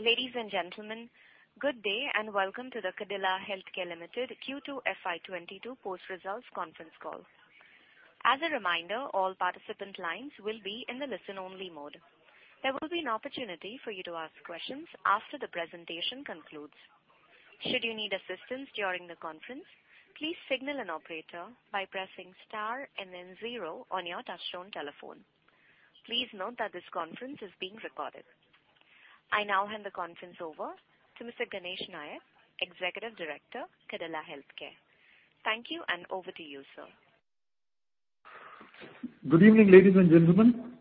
Ladies and gentlemen, good day and welcome to the Cadila Healthcare Limited Q2 FY 2022 post-results conference call. As a reminder, all participant lines will be in the listen-only mode. There will be an opportunity for you to ask questions after the presentation concludes. Should you need assistance during the conference, please signal an operator by pressing star and then zero on your touchtone telephone. Please note that this conference is being recorded. I now hand the conference over to Mr. Ganesh Nayak, Executive Director, Cadila Healthcare. Thank you, and over to you, sir. Good evening, ladies and gentlemen.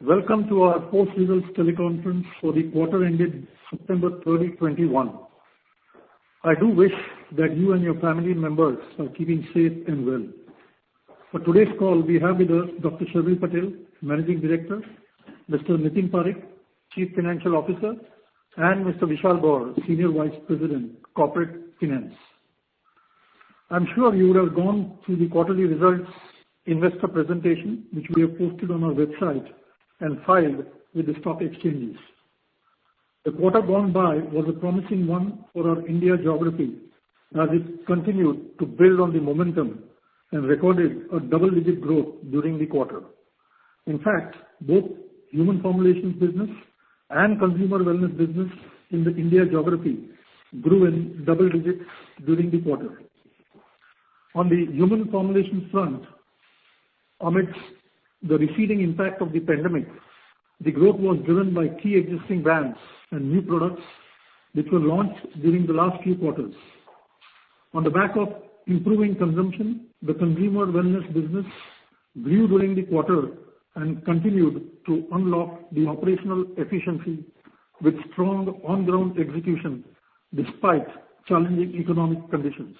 Welcome to our post results teleconference for the quarter ending September 30, 2021. I do wish that you and your family members are keeping safe and well. For today's call, we have with us Dr. Sharvil Patel, Managing Director, Mr. Nitin Parekh, Chief Financial Officer, and Mr. Vishal Gor, Senior Vice President, Corporate Finance. I'm sure you would have gone through the quarterly results investor presentation, which we have posted on our website and filed with the stock exchanges. The quarter gone by was a promising one for our India geography as it continued to build on the momentum and recorded a double-digit growth during the quarter. In fact, both human formulations business and consumer wellness business in the India geography grew in double digits during the quarter. On the human formulations front, amidst the receding impact of the pandemic, the growth was driven by key existing brands and new products which were launched during the last few quarters. On the back of improving consumption, the consumer wellness business grew during the quarter and continued to unlock the operational efficiency with strong on-ground execution despite challenging economic conditions.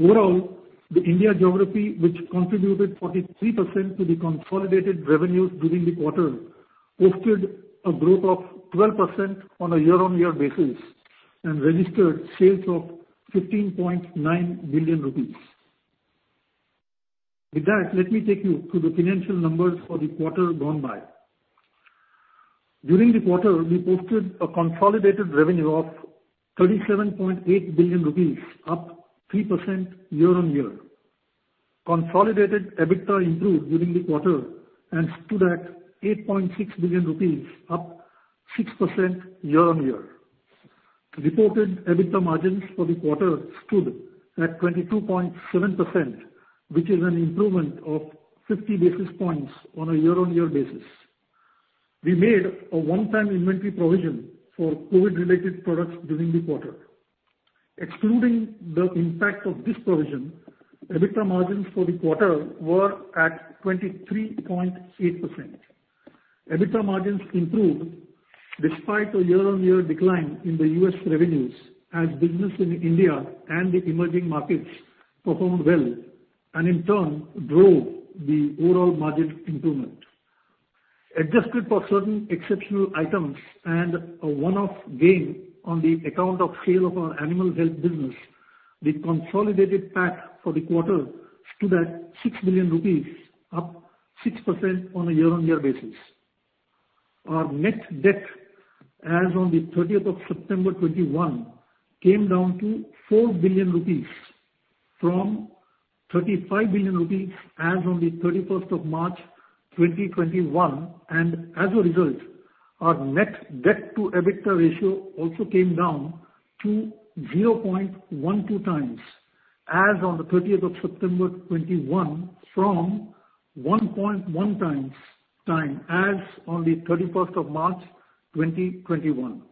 Overall, the India geography, which contributed 43% to the consolidated revenues during the quarter, posted a growth of 12% on a year-on-year basis and registered sales of 15.9 billion rupees. With that, let me take you through the financial numbers for the quarter gone by. During the quarter, we posted a consolidated revenue of 37.8 billion rupees, up 3% year-on-year. Consolidated EBITDA improved during the quarter and stood at 8.6 billion rupees, up 6% year-on-year. Reported EBITDA margins for the quarter stood at 22.7%, which is an improvement of 50 basis points on a year-on-year basis. We made a one-time inventory provision for COVID-related products during the quarter. Excluding the impact of this provision, EBITDA margins for the quarter were at 23.8%. EBITDA margins improved despite a year-on-year decline in the U.S. revenues as business in India and the emerging markets performed well, and in turn drove the overall margin improvement. Adjusted for certain exceptional items and a one-off gain on the account of sale of our animal health business, the consolidated PAT for the quarter stood at 6 million rupees, up 6% on a year-on-year basis. Our net debt as on the 30th of September 2021 came down to 4 billion rupees from 35 billion rupees as on the March 31, 2021. As a result, our net debt to EBITDA ratio also came down to 0.12x as on the September 30, 2021 from 1.1x as on the March 31, 2021.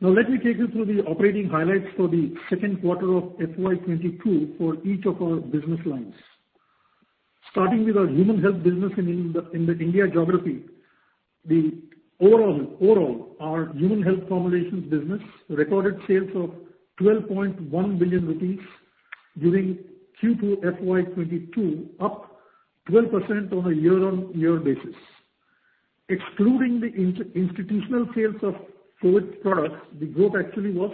Now let me take you through the operating highlights for the second quarter of FY 2022 for each of our business lines. Starting with our human health business in the India geography, the overall our human health formulations business recorded sales of 12.1 billion rupees during Q2 FY 2022, up 12% on a year-on-year basis. Excluding the institutional sales of COVID products, the growth actually was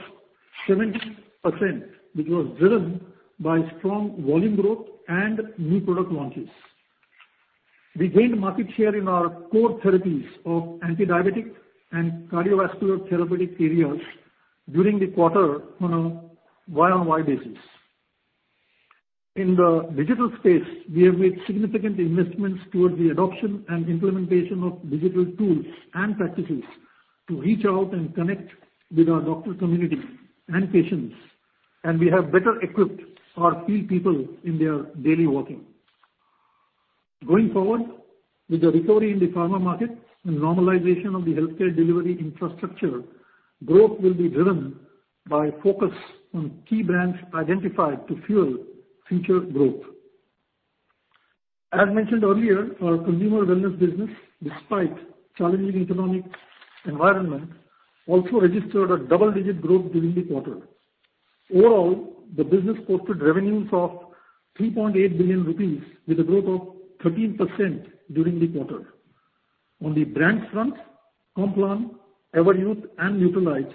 17%, which was driven by strong volume growth and new product launches. We gained market share in our core therapies of antidiabetic and cardiovascular therapeutic areas during the quarter on a YoY basis. In the digital space, we have made significant investments towards the adoption and implementation of digital tools and practices to reach out and connect with our doctor community and patients, and we have better equipped our field people in their daily working. Going forward, with the recovery in the pharma market and normalization of the healthcare delivery infrastructure, growth will be driven by focus on key brands identified to fuel future growth. As mentioned earlier, our consumer wellness business, despite challenging economic environment, also registered a double-digit growth during the quarter. Overall, the business posted revenues of 3.8 billion rupees with a growth of 13% during the quarter. On the brand front, Complan, Everyuth, and Nutralite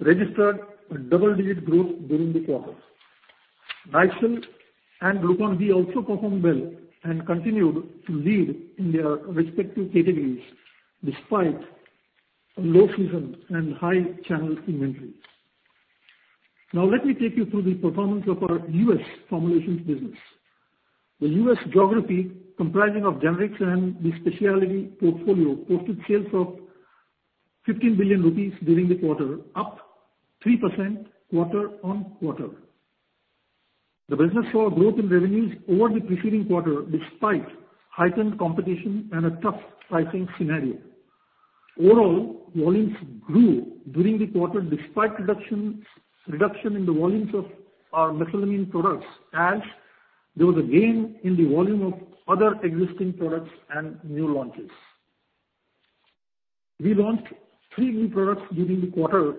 registered a double-digit growth during the quarter. Nycil and Glucon-D also performed well and continued to lead in their respective categories despite a low season and high channel inventories. Now let me take you through the performance of our U.S. formulations business. The U.S. geography, comprising of generics and the specialty portfolio, posted sales of 15 billion rupees during the quarter, up 3% quarter-on-quarter. The business saw a growth in revenues over the preceding quarter despite heightened competition and a tough pricing scenario. Overall, volumes grew during the quarter despite reduction in the volumes of our mesalamine products as there was a gain in the volume of other existing products and new launches. We launched three new products during the quarter,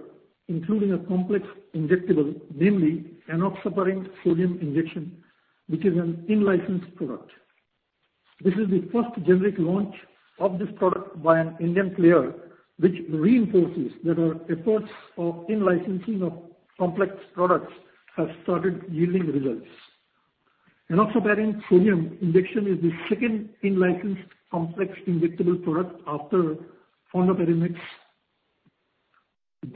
including a complex injectable, namely enoxaparin sodium injection, which is an in-licensed product. This is the first generic launch of this product by an Indian player, which reinforces that our efforts of in-licensing of complex products have started yielding results. Enoxaparin sodium injection is the second in-licensed complex injectable product after fondaparinux.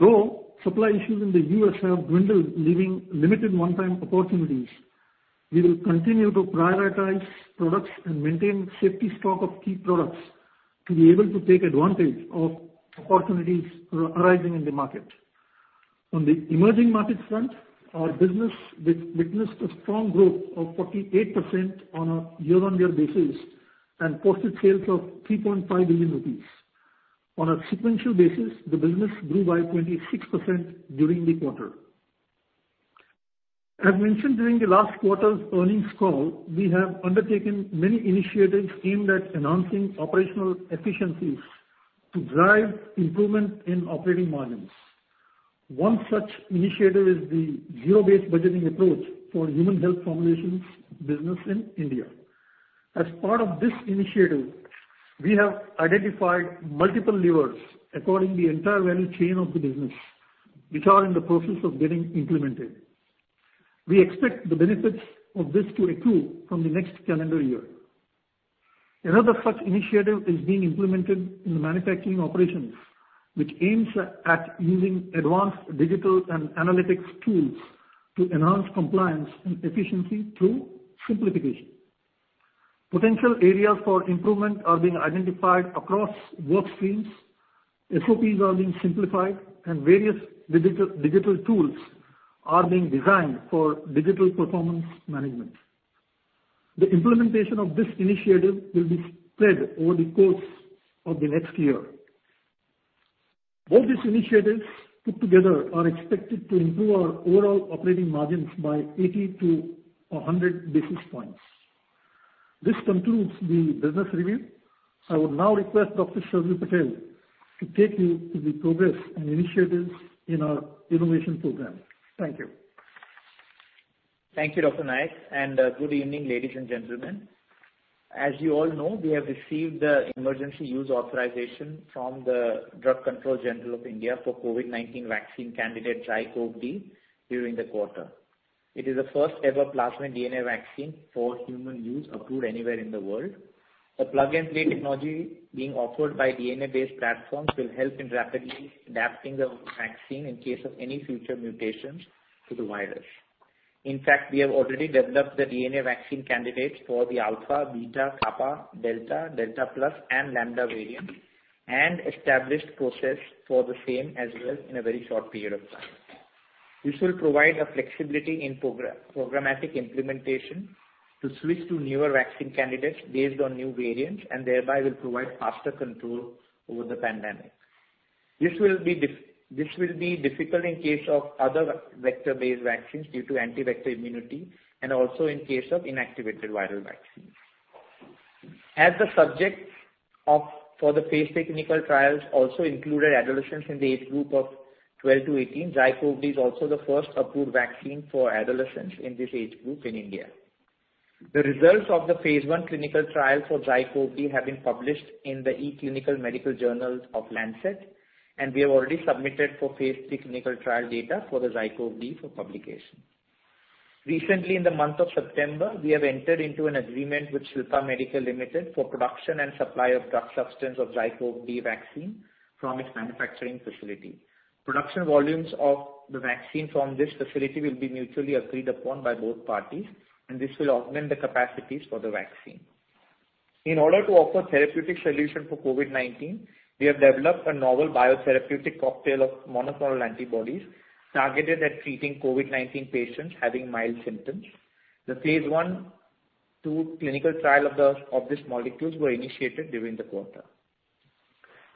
Though supply issues in the U.S. have dwindled, leaving limited one-time opportunities, we will continue to prioritize products and maintain safety stock of key products to be able to take advantage of opportunities arising in the market. On the emerging market front, our business witnessed a strong growth of 48% on a year-on-year basis and posted sales of 3.5 billion rupees. On a sequential basis, the business grew by 26% during the quarter. As mentioned during the last quarter's earnings call, we have undertaken many initiatives aimed at enhancing operational efficiencies to drive improvement in operating margins. One such initiative is the zero-based budgeting approach for human health formulations business in India. As part of this initiative, we have identified multiple levers across the entire value chain of the business, which are in the process of getting implemented. We expect the benefits of this to accrue from the next calendar year. Another such initiative is being implemented in the manufacturing operations, which aims at using advanced digital and analytics tools to enhance compliance and efficiency through simplification. Potential areas for improvement are being identified across work streams, SOPs are being simplified, and various digital tools are being designed for digital performance management. The implementation of this initiative will be spread over the course of the next year. All these initiatives put together are expected to improve our overall operating margins by 80-100 basis points. This concludes the business review. I would now request Dr. Sharvil Patel to take you through the progress and initiatives in our innovation program. Thank you. Thank you, Dr. Nayak, and good evening, ladies and gentlemen. As you all know, we have received the emergency use authorization from the Drugs Controller General of India for COVID-19 vaccine candidate ZyCoV-D during the quarter. It is the first ever plasmid DNA vaccine for human use approved anywhere in the world. The plug and play technology being offered by DNA-based platforms will help in rapidly adapting the vaccine in case of any future mutations to the virus. In fact, we have already developed the DNA vaccine candidates for the Alpha, Beta, Kappa, Delta Plus and Lambda variants, and established processes for the same as well in a very short period of time. This will provide a flexibility in programmatic implementation to switch to newer vaccine candidates based on new variants, and thereby will provide faster control over the pandemic. This will be difficult in case of other vector-based vaccines due to anti-vector immunity, and also in case of inactivated viral vaccines. As the subjects for the phase III clinical trials also included adolescents in the age group of 12 to 18, ZyCoV-D is also the first approved vaccine for adolescents in this age group in India. The results of the phase I clinical trial for ZyCoV-D have been published in the EClinicalMedicine journal of The Lancet, and we have already submitted the phase III clinical trial data for ZyCoV-D for publication. Recently, in the month of September, we have entered into an agreement with Shilpa Medicare Limited for production and supply of drug substance of ZyCoV-D vaccine from its manufacturing facility. Production volumes of the vaccine from this facility will be mutually agreed upon by both parties, and this will augment the capacities for the vaccine. In order to offer therapeutic solution for COVID-19, we have developed a novel biotherapeutic cocktail of monoclonal antibodies targeted at treating COVID-19 patients having mild symptoms. The phase I clinical trial of these molecules was initiated during the quarter.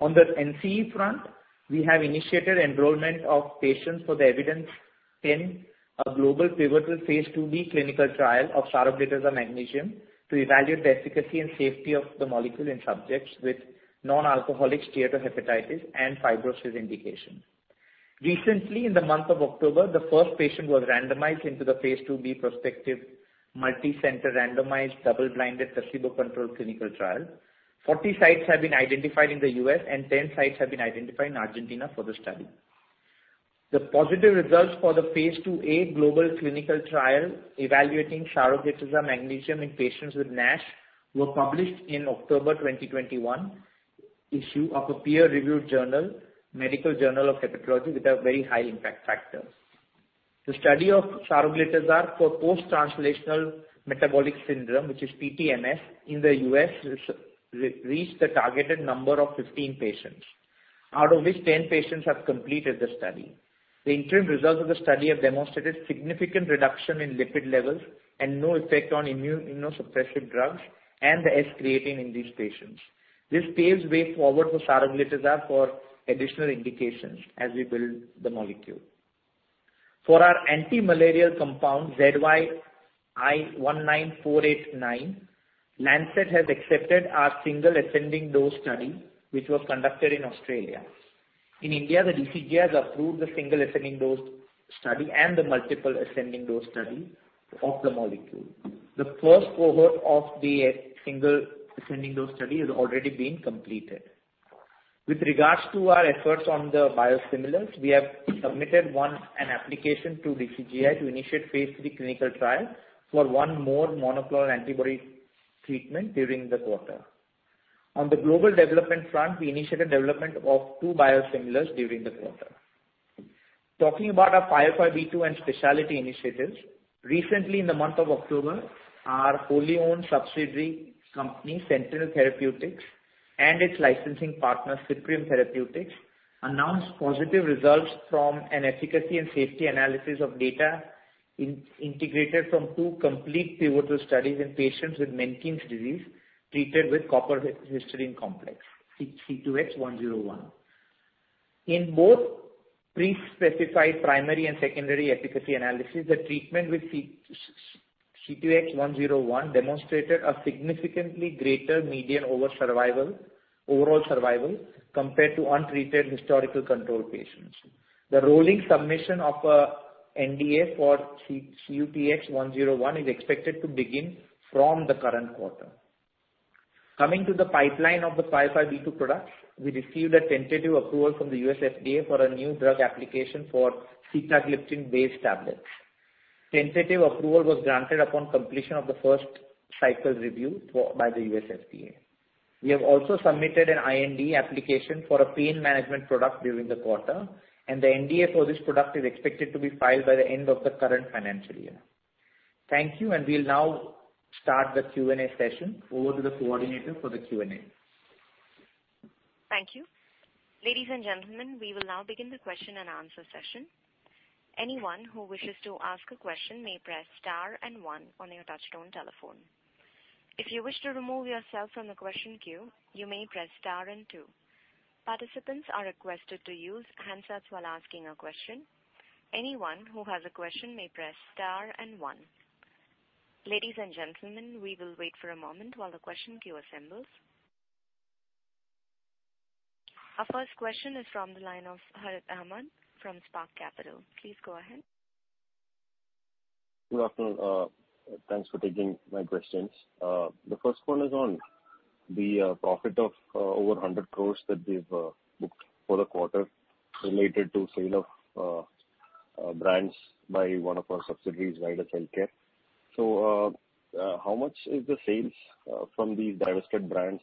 On the NCE front, we have initiated enrollment of patients for the EVIDENCES-X, a global pivotal phase IIb clinical trial of saroglitazar magnesium to evaluate the efficacy and safety of the molecule in subjects with non-alcoholic steatohepatitis and fibrosis indication. Recently, in the month of October, the first patient was randomized into the phase IIb prospective, multicenter randomized double-blind placebo-controlled clinical trial. 40 sites have been identified in the U.S. and 10 sites have been identified in Argentina for the study. The positive results for the phase IIa global clinical trial evaluating saroglitazar magnesium in patients with NASH were published in October 2021 issue of a peer-reviewed journal, Journal of Hepatology, with a very high impact factor. The study of saroglitazar for post-transplant metabolic syndrome, which is PTMS, in the U.S. has reached the targeted number of 15 patients, out of which 10 patients have completed the study. The interim results of the study have demonstrated significant reduction in lipid levels and no effect on immunosuppressive drugs and the serum creatinine in these patients. This paves the way forward for saroglitazar for additional indications as we build the molecule. For our anti-malarial compound, ZY-19489, The Lancet has accepted our single ascending dose study, which was conducted in Australia. In India, the DCGI has approved the single ascending dose study and the multiple ascending dose study of the molecule. The first cohort of the single ascending dose study has already been completed. With regards to our efforts on the biosimilars, we have submitted one application to DCGI to initiate phase III clinical trial for one more monoclonal antibody treatment during the quarter. On the global development front, we initiated development of two biosimilars during the quarter. Talking about our 505(b)(2) and specialty initiatives, recently in the month of October, our wholly owned subsidiary company, Cyprium Therapeutics, and its licensing partner, Sentynl Therapeutics, announced positive results from an efficacy and safety analysis of data integrated from two complete pivotal studies in patients with Menkes disease treated with copper histidinate CUTX-101. In both pre-specified primary and secondary efficacy analysis, the treatment with CUTX-101 demonstrated a significantly greater median overall survival compared to untreated historical control patients. The rolling submission of NDA for CUTX-101 is expected to begin from the current quarter. Coming to the pipeline of the 505(b)(2) products, we received a tentative approval from the U.S. FDA for a new drug application for sitagliptin-based tablets. Tentative approval was granted upon completion of the first cycle's review by the U.S. FDA. We have also submitted an IND application for a pain management product during the quarter, and the NDA for this product is expected to be filed by the end of the current financial year. Thank you, and we'll now start the Q&A session. Over to the coordinator for the Q&A. Thank you. Ladies and gentlemen, we will now begin the question-and-answer session. Anyone who wishes to ask a question may press star and one on your touchtone telephone. If you wish to remove yourself from the question queue, you may press star and two. Participants are requested to use handsets while asking a question. Anyone who has a question may press star and one. Ladies and gentlemen, we will wait for a moment while the question queue assembles. Our first question is from the line of Harith Ahamed from Spark Capital. Please go ahead. Good afternoon. Thanks for taking my questions. The first one is on the profit of over 100 crore that we've booked for the quarter related to sale of brands by one of our subsidiaries, Zydus Healthcare. How much is the sales from these divested brands?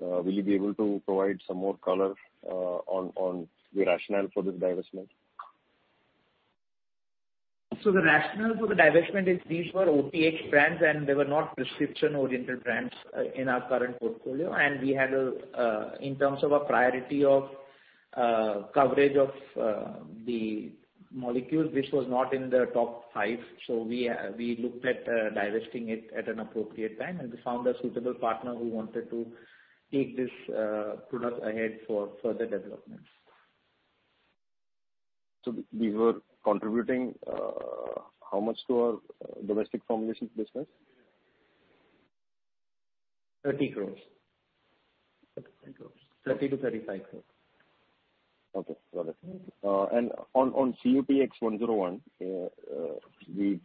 Will you be able to provide some more color on the rationale for this divestment? The rationale for the divestment is these were OTC brands, and they were not prescription-oriented brands in our current portfolio. We had in terms of a priority of coverage of the molecule, this was not in the top five, so we looked at divesting it at an appropriate time and found a suitable partner who wanted to take this product ahead for further development. These were contributing how much to our domestic formulations business? 30 crore. INR 35 crores. 30 crore-35 crore. Okay, got it. On CUTX-101, we've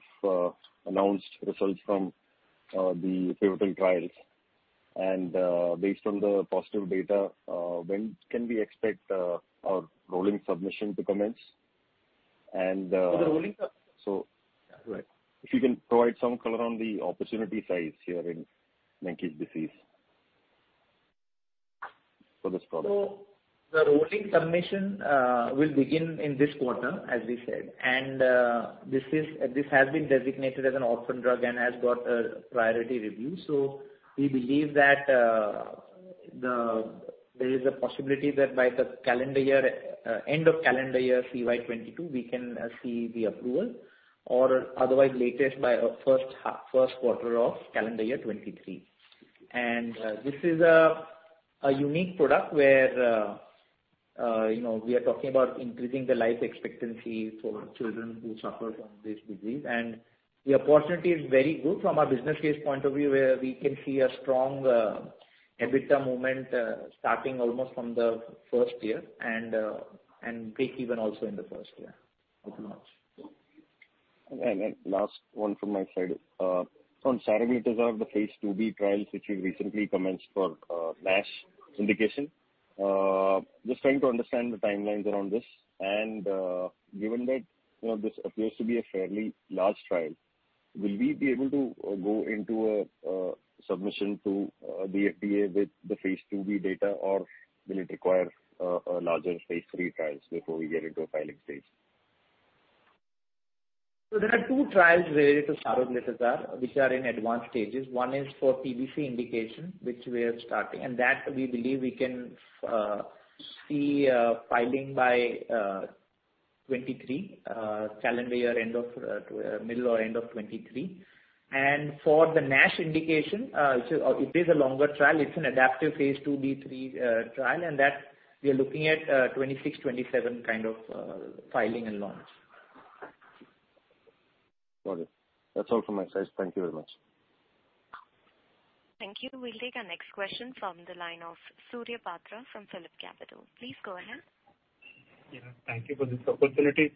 announced results from the pivotal trials. Based on the positive data, when can we expect our rolling submission to commence? The rolling sub- So- Right. If you can provide some color on the opportunity size here in Menkes disease for this product? The rolling submission will begin in this quarter, as we said. This has been designated as an orphan drug and has got a priority review. We believe that there is a possibility that by the end of calendar year CY 2022, we can see the approval or otherwise latest by first quarter of calendar year 2023. This is a unique product where you know we are talking about increasing the life expectancy for children who suffer from this disease. The opportunity is very good from a business case point of view, where we can see a strong EBITDA margin starting almost from the first year and breakeven also in the first year. Thank you very much. Last one from my side. On Saroglitazar, the phase IIb trials which you recently commenced for NASH indication. Just trying to understand the timelines around this. Given that, you know, this appears to be a fairly large trial, will we be able to go into a submission to the FDA with the phase IIb data, or will it require a larger phase III trials before we get into a filing stage? There are two trials related to saroglitazar which are in advanced stages. One is for PBC indication, which we are starting, and that we believe we can see filing by 2023 calendar year end of middle or end of 2023. For the NASH indication, it is a longer trial. It's an adaptive phase IIb/III trial, and that we are looking at 2026, 2027 kind of filing and launch. Got it. That's all from my side. Thank you very much. Thank you. We'll take our next question from the line of Surya Patra from PhillipCapital. Please go ahead. Yeah, thank you for this opportunity.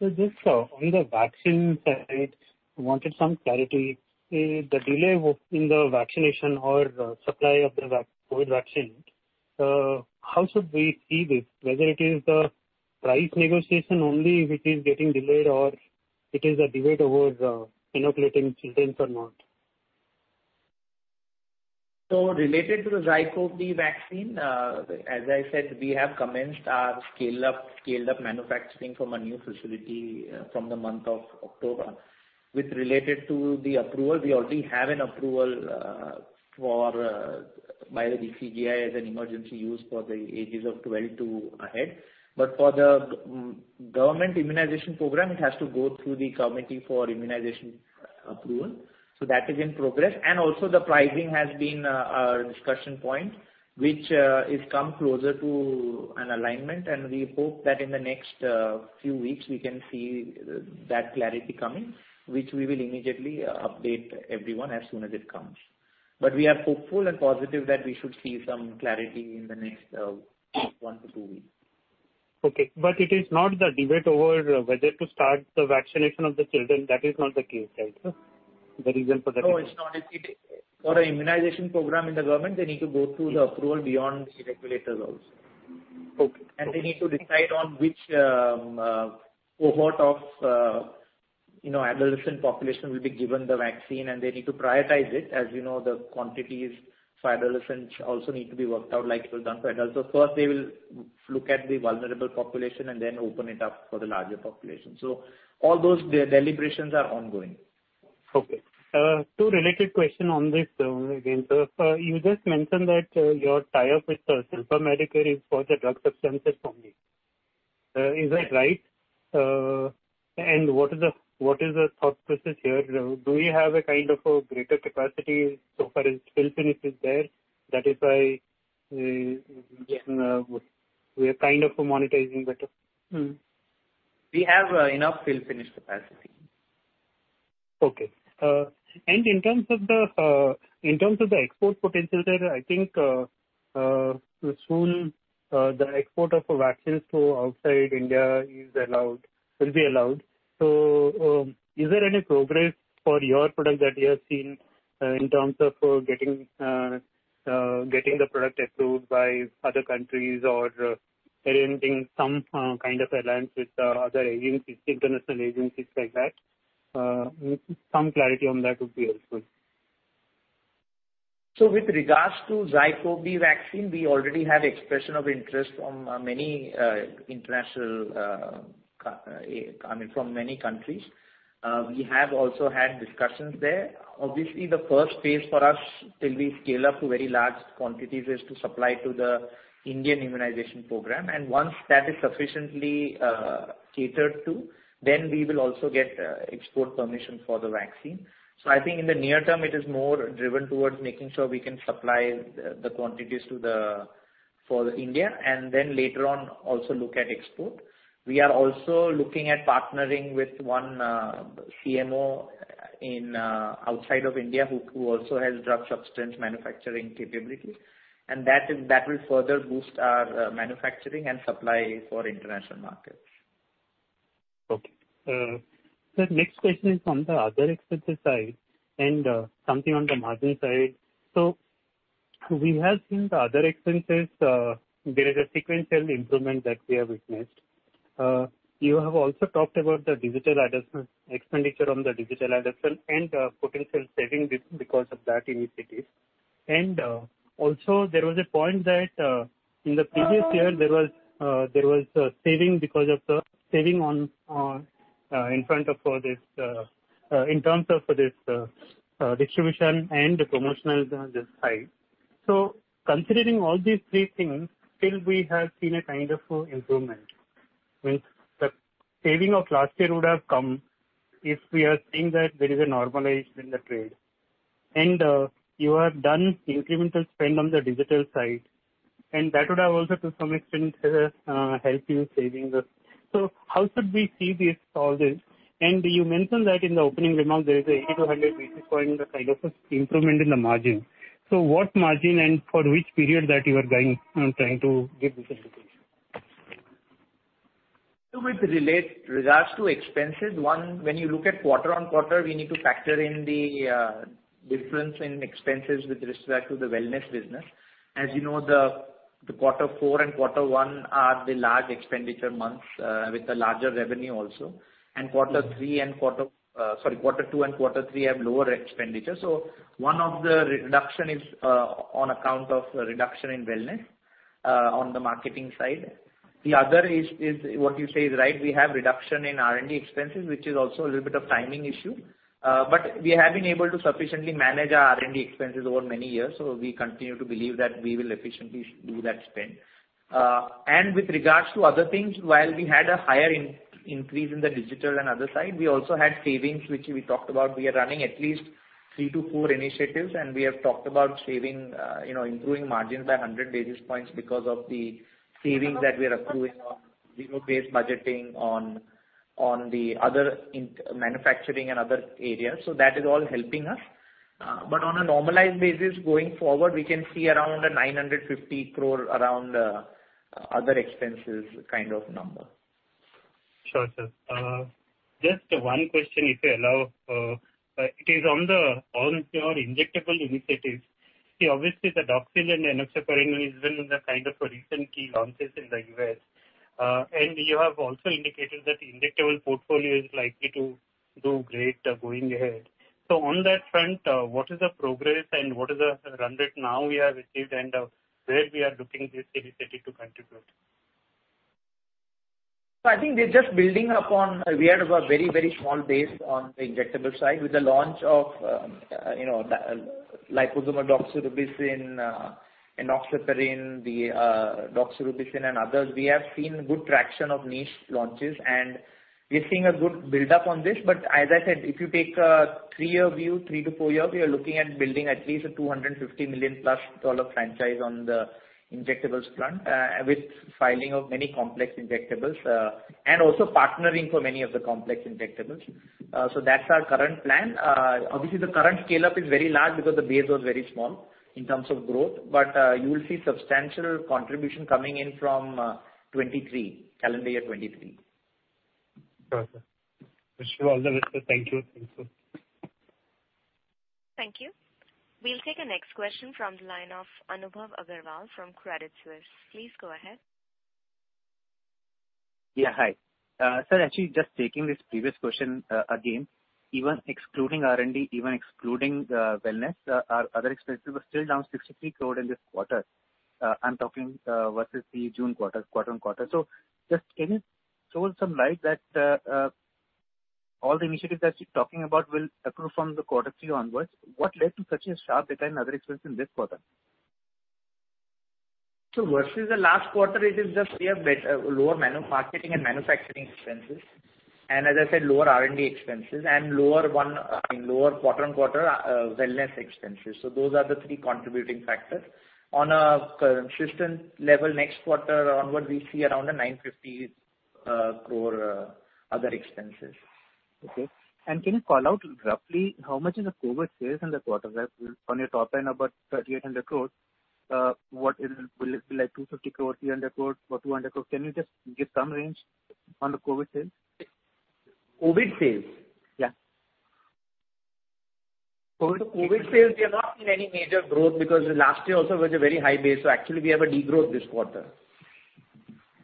Just on the vaccine side, wanted some clarity. The delay within the vaccination or supply of the COVID vaccine, how should we see this? Whether it is the price negotiation only which is getting delayed or it is a debate over inoculating children or not? Related to the ZyCoV-D vaccine, as I said, we have commenced our scaled-up manufacturing from a new facility from the month of October. With regard to the approval, we already have an approval for by the DCGI as an emergency use for ages 12 and above. For the government immunization program, it has to go through the committee for immunization approval, so that is in progress. Also the pricing has been a discussion point which is come closer to an alignment. We hope that in the next few weeks we can see that clarity coming, which we will immediately update everyone as soon as it comes. We are hopeful and positive that we should see some clarity in the next 1-2 weeks. Okay. It is not the debate over whether to start the vaccination of the children, that is not the case, right, sir? The reason for that. No, it's not. For an immunization program in the government, they need to go through the approval beyond the regulators also. Okay. They need to decide on which cohort of, you know, adolescent population will be given the vaccine, and they need to prioritize it. As you know, the quantities for adolescents also need to be worked out like it was done for adults. First they will look at the vulnerable population and then open it up for the larger population. All those deliberations are ongoing. Okay. Two related question on this, again. You just mentioned that your tie-up with Shilpa Medicare is for the drug substances only. Is that right? And what is the thought process here? Do you have a kind of a greater capacity so far as fill-finish is there? That is why just we are kind of monetizing better. We have enough fill finish capacity. Okay. In terms of the export potential there, I think soon the export of vaccines to outside India is allowed, will be allowed. Is there any progress for your product that you have seen in terms of getting the product approved by other countries or arranging some kind of alliance with other agencies, international agencies like that? Some clarity on that would be helpful. With regards to ZyCoV-D vaccine, we already have expression of interest from many international, I mean, from many countries. We have also had discussions there. Obviously, the first phase for us till we scale up to very large quantities is to supply to the Indian immunization program. Once that is sufficiently catered to, then we will also get export permission for the vaccine. I think in the near term it is more driven towards making sure we can supply the quantities for India and then later on also look at export. We are also looking at partnering with one CMO outside of India who also has drug substance manufacturing capability, and that will further boost our manufacturing and supply for international markets. Okay. Sir, next question is on the other expenses side and something on the margin side. We have seen the other expenses. There is a sequential improvement that we have witnessed. You have also talked about the digital adoption, expenditure on the digital adoption and potential saving because of those initiatives. Also there was a point that in the previous year there was a saving because of the saving in terms of distribution and the promotional side. Considering all these three things, still we have seen a kind of improvement. Means the saving of last year would have come if we are seeing that there is a normalization in the trade. You have done incremental spend on the digital side, and that would have also to some extent helped you in saving this. How should we see this, all this? You mentioned that in the opening remarks there is an 8-100 basis point in the kind of improvement in the margin. What margin and for which period that you are guiding, trying to give this information? With regards to expenses, one, when you look at quarter-over-quarter, we need to factor in the difference in expenses with respect to the wellness business. As you know, the quarter four and quarter one are the large expenditure months, with the larger revenue also. Quarter two and quarter three have lower expenditure. One of the reduction is on account of reduction in wellness on the marketing side. The other is what you say is right, we have reduction in R&D expenses, which is also a little bit of timing issue. But we have been able to sufficiently manage our R&D expenses over many years, so we continue to believe that we will efficiently do that spend. With regards to other things, while we had a higher increase in the digital and other side, we also had savings which we talked about. We are running at least 3-4 initiatives, and we have talked about saving, you know, improving margins by 100 basis points because of the savings that we are accruing on zero-based budgeting on the other manufacturing and other areas. That is all helping us. On a normalized basis going forward, we can see around 950 crore around other expenses kind of number. Sure, sir. Just one question, if you allow. It is on your injectable initiatives. See, obviously, the Doxil and Enoxaparin have been the kind of recent key launches in the U.S. You have also indicated that the injectable portfolio is likely to do great, going ahead. On that front, what is the progress and what is the run rate now we have achieved and, where we are looking this initiative to contribute? I think we're just building upon. We had a very, very small base on the injectable side. With the launch of, you know, the liposomal doxorubicin, enoxaparin, the doxorubicin and others, we have seen good traction of niche launches, and we're seeing a good buildup on this. As I said, if you take a 3-year view, 3-4 years, we are looking at building at least a $250 million+ dollar franchise on the injectables front, with filing of many complex injectables, and also partnering for many of the complex injectables. That's our current plan. Obviously the current scale-up is very large because the base was very small in terms of growth. You will see substantial contribution coming in from 2023, calendar year 2023. Perfect. Wish you all the best, sir. Thank you. Thank you. Thank you. We'll take our next question from the line of Anubhav Aggarwal from Credit Suisse. Please go ahead. Hi, sir, actually just taking this previous question again. Even excluding R&D and wellness, our other expenses were still down 63 crore in this quarter. I'm talking versus the June quarter-on-quarter. Just can you throw some light on that all the initiatives that you're talking about will accrue from quarter three onwards. What led to such a sharp decline in other expenses in this quarter? Versus the last quarter, it is just we have better lower marketing and manufacturing expenses. As I said, lower R&D expenses and lower quarter-on-quarter wellness expenses. Those are the three contributing factors. On a consistent level, next quarter onward we see around 950 crore other expenses. Okay. Can you call out roughly how much is the COVID sales in the quarter? On your top line about 3,800 crore. What is it? Will it be like 250 crore, 300 crore, or 200 crore? Can you just give some range on the COVID sales? COVID sales? Yeah. COVID sales, we have not seen any major growth because last year also was a very high base. Actually we have a degrowth this quarter.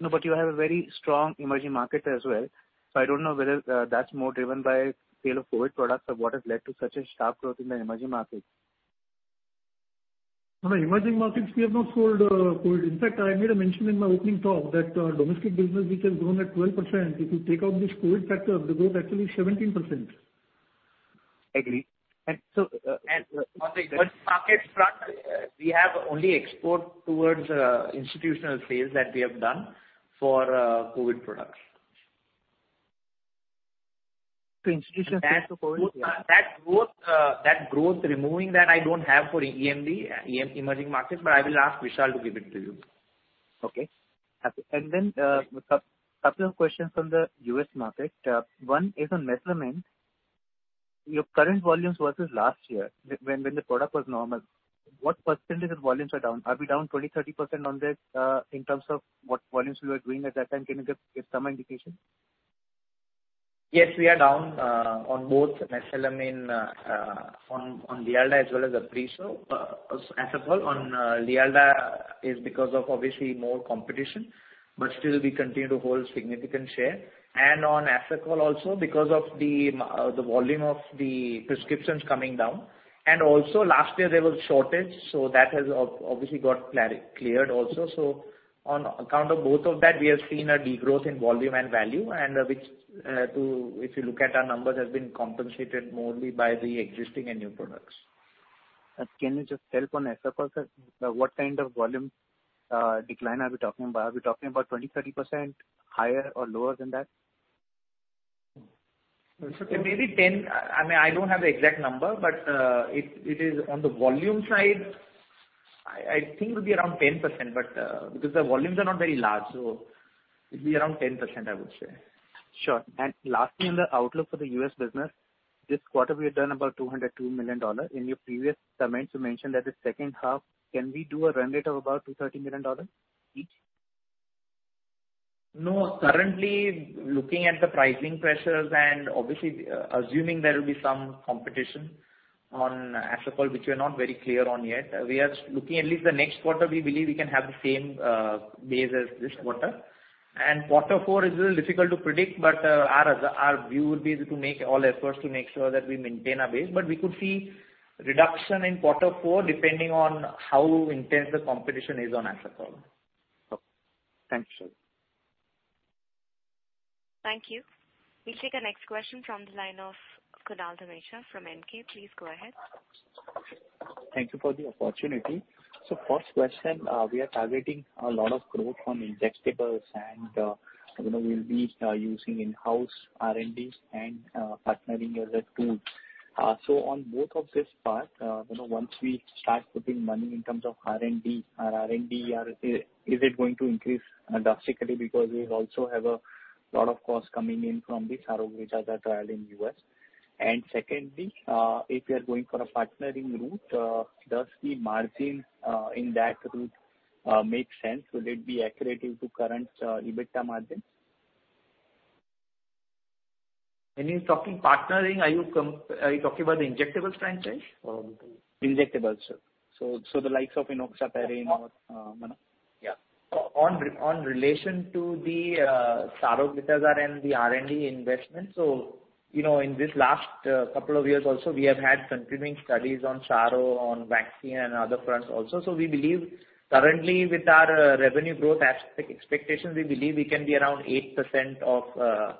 No, you have a very strong emerging market as well. I don't know whether that's more driven by sales of COVID products or what has led to such a sharp growth in the emerging markets. On the emerging markets, we have not sold COVID. In fact, I made a mention in my opening talk that domestic business, which has grown at 12%, if you take out this COVID factor, the growth actually is 17%. Agree. On the emerging markets front, we have only exports towards institutional sales that we have done for COVID products. To institutions and to COVID, yeah. That growth, removing that, I don't have for EEMD, emerging markets, but I will ask Vishal to give it to you. Okay. Happy. Couple of questions from the U.S. market. One is on mesalamine. Your current volumes versus last year when the product was normal, what percentage of volumes are down? Are we down 20%-30% on this, in terms of what volumes we were doing at that time? Can you give some indication? Yes, we are down on both mesalamine, on Lialda as well as Asacol. Asacol on Lialda is because of obviously more competition, but still we continue to hold significant share. On Asacol also because of the volume of the prescriptions coming down. Also last year there was shortage, so that has obviously got cleared also. On account of both of that, we have seen a degrowth in volume and value and which, if you look at our numbers, has been compensated mostly by the existing and new products. Can you just help on Asacol, sir? What kind of volume decline are we talking about? Are we talking about 20%-30% higher or lower than that? It's maybe 10%. I mean, I don't have the exact number, but it is on the volume side. I think it will be around 10%, but because the volumes are not very large, so it'll be around 10%, I would say. Sure. Lastly, on the outlook for the U.S. business, this quarter we have done about $202 million. In your previous comments, you mentioned that the second half, can we do a run rate of about $230 million each? No. Currently, looking at the pricing pressures and obviously assuming there will be some competition on Asacol, which we are not very clear on yet. We are looking at least the next quarter, we believe we can have the same base as this quarter. Quarter four is a little difficult to predict, but our view will be to make all efforts to make sure that we maintain our base. We could see reduction in quarter four, depending on how intense the competition is on Asacol. Okay. Thanks, Sir. Thank you. We'll take the next question from the line of Kunal Dhamesha from Emkay. Please go ahead. Thank you for the opportunity. First question, we are targeting a lot of growth on injectables and, you know, we'll be using in-house R&D and partnering as a tool. On both of this part, you know, once we start putting money in terms of R&D, our R&D is it going to increase drastically? Because we also have a lot of costs coming in from the Saroglitazar trial in U.S. Secondly, if you are going for a partnering route, does the margin in that route make sense? Will it be accretive to current EBITDA margin? When you're talking partnering, are you talking about the injectables franchise or both? Injectables, sir. The likes of enoxaparin or Manap. In relation to the Saroglitazar and the R&D investment. You know, in this last couple of years also, we have had continuing studies on Saroglitazar, on vaccine and other fronts also. We believe currently with our revenue growth as expectations, we believe we can be around 8% of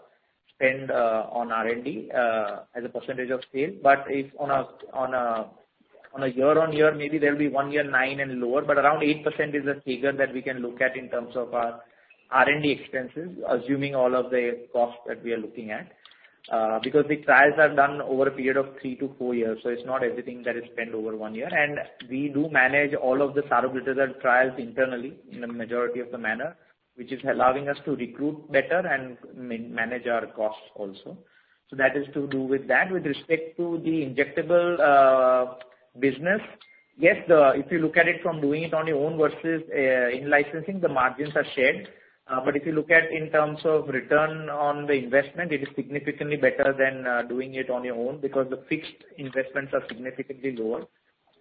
spend on R&D as a percentage of sales. But if on a year-on-year, maybe there will be one year 9% and lower, but around 8% is a figure that we can look at in terms of our R&D expenses, assuming all of the costs that we are looking at. Because the trials are done over a period of 3-4 years, it's not everything that is spent over one year. We do manage all of the Saroglitazar trials internally in a majority of the manner, which is allowing us to recruit better and manage our costs also. That is to do with that. With respect to the injectables business, yes, if you look at it from doing it on your own versus in-licensing, the margins are shared. If you look at it in terms of return on the investment, it is significantly better than doing it on your own because the fixed investments are significantly lower.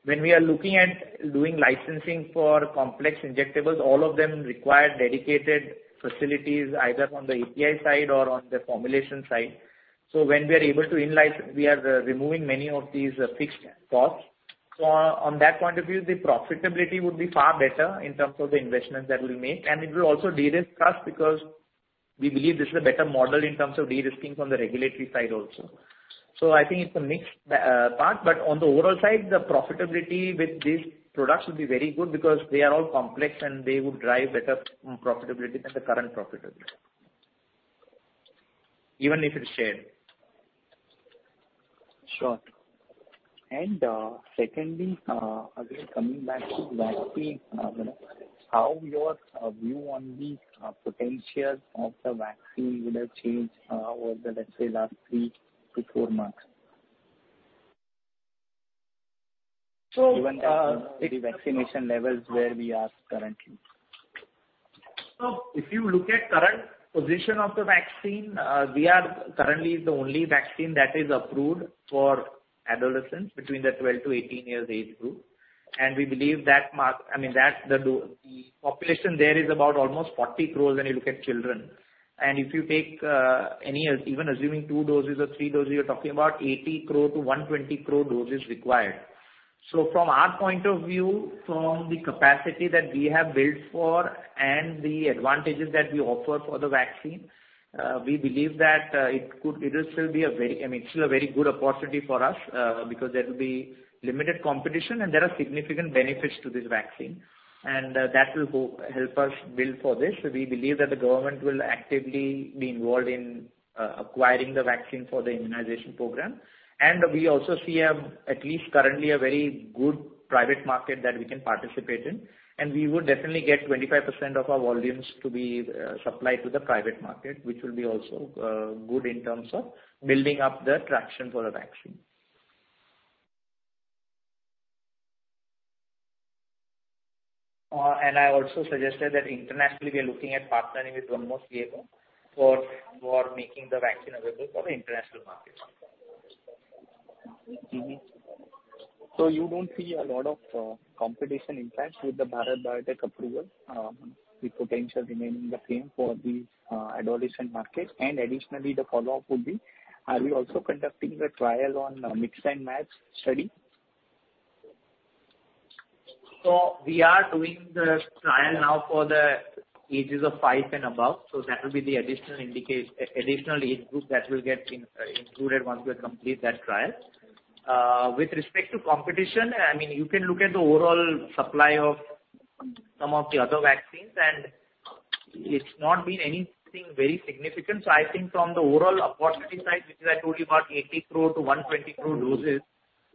When we are looking at doing licensing for complex injectables, all of them require dedicated facilities, either on the API side or on the formulation side. When we are able to in-license, we are removing many of these fixed costs. On that point of view, the profitability would be far better in terms of the investments that we make, and it will also de-risk us because we believe this is a better model in terms of de-risking from the regulatory side also. I think it's a mixed part, but on the overall side, the profitability with these products will be very good because they are all complex and they would drive better profitability than the current profitability. Even if it's shared. Sure. Secondly, again coming back to vaccine, how your view on the potential of the vaccine would have changed over the last 3-4 months? So, uh- Given the vaccination levels where we are currently. If you look at current position of the vaccine, we are currently the only vaccine that is approved for adolescents between the 12-18 years age group. We believe that, I mean, that's the population there is about almost 40 crore when you look at children. If you take any, even assuming two doses or three doses, you're talking about 80 crore-120 crore doses required. From our point of view, from the capacity that we have built for and the advantages that we offer for the vaccine, we believe that it will still be a very, I mean, still a very good opportunity for us, because there will be limited competition and there are significant benefits to this vaccine. That will help us build for this. We believe that the government will actively be involved in acquiring the vaccine for the immunization program. We also see, at least currently, a very good private market that we can participate in. We would definitely get 25% of our volumes to be supplied to the private market, which will also be good in terms of building up the traction for the vaccine. I also suggested that internationally, we are looking at partnering with one more CMO for making the vaccine available for the international markets. Mm-hmm. You don't see a lot of competition impact with the Bharat Biotech approval, the potential remaining the same for the adolescent market. Additionally, the follow-up would be, are we also conducting the trial on mix and match study? We are doing the trial now for the ages of five and above. That will be the additional age group that will get included once we complete that trial. With respect to competition, I mean, you can look at the overall supply of some of the other vaccines, and it's not been anything very significant. I think from the overall opportunity side, which is I told you about 80-120 crore doses.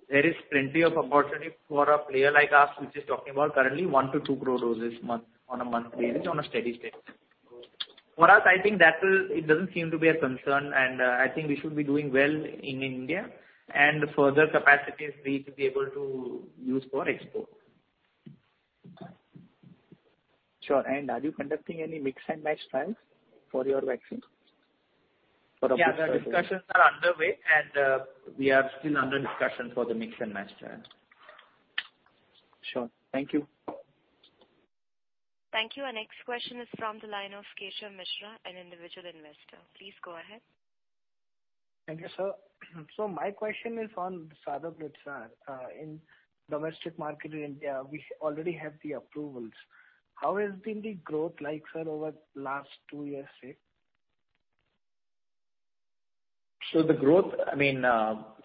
There is plenty of opportunity for a player like us, which is talking about currently 1-2 crore doses a month, on a monthly basis on a steady state. For us, I think that will. It doesn't seem to be a concern, and I think we should be doing well in India and further capacities to be able to use for export. Sure. Are you conducting any mix and match trials for your vaccine? Yeah, the discussions are underway, and we are still under discussion for the mix and match trial. Sure. Thank you. Thank you. Our next question is from the line of Keshav Mishra, an individual investor. Please go ahead. Thank you, sir. My question is on Saroglitazar. In domestic market in India, we already have the approvals. How has been the growth like, sir, over last two years, say? The growth, I mean,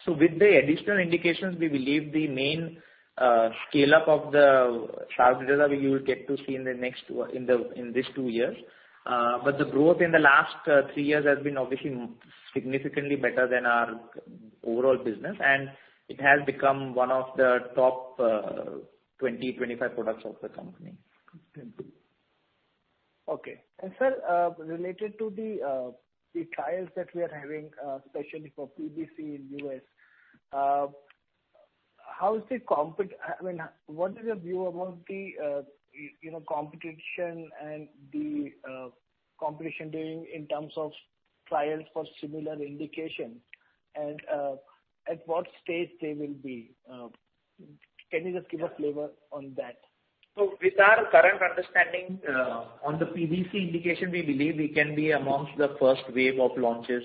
with the additional indications, we believe the main scale-up of the Saroglitazar you will get to see in the next two years. The growth in the last three years has been obviously significantly better than our overall business, and it has become one of the top 20-25 products of the company. Okay. Sir, related to the trials that we are having, especially for PBC in U.S., how is the competition? I mean, what is your view about the, you know, competition doing in terms of trials for similar indication and at what stage they will be? Can you just give a flavor on that? With our current understanding on the PBC indication, we believe we can be amongst the first wave of launches,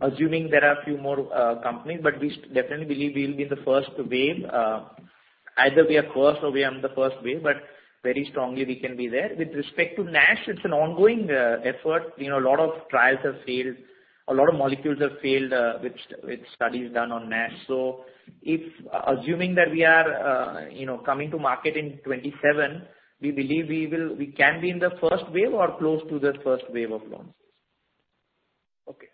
assuming there are a few more companies. We definitely believe we'll be in the first wave. Either we are first or we are on the first wave, but very strongly we can be there. With respect to NASH, it's an ongoing effort. You know, a lot of trials have failed. A lot of molecules have failed with studies done on NASH. Assuming that we are, you know, coming to market in 2027, we believe we can be in the first wave or close to the first wave of launches. Okay.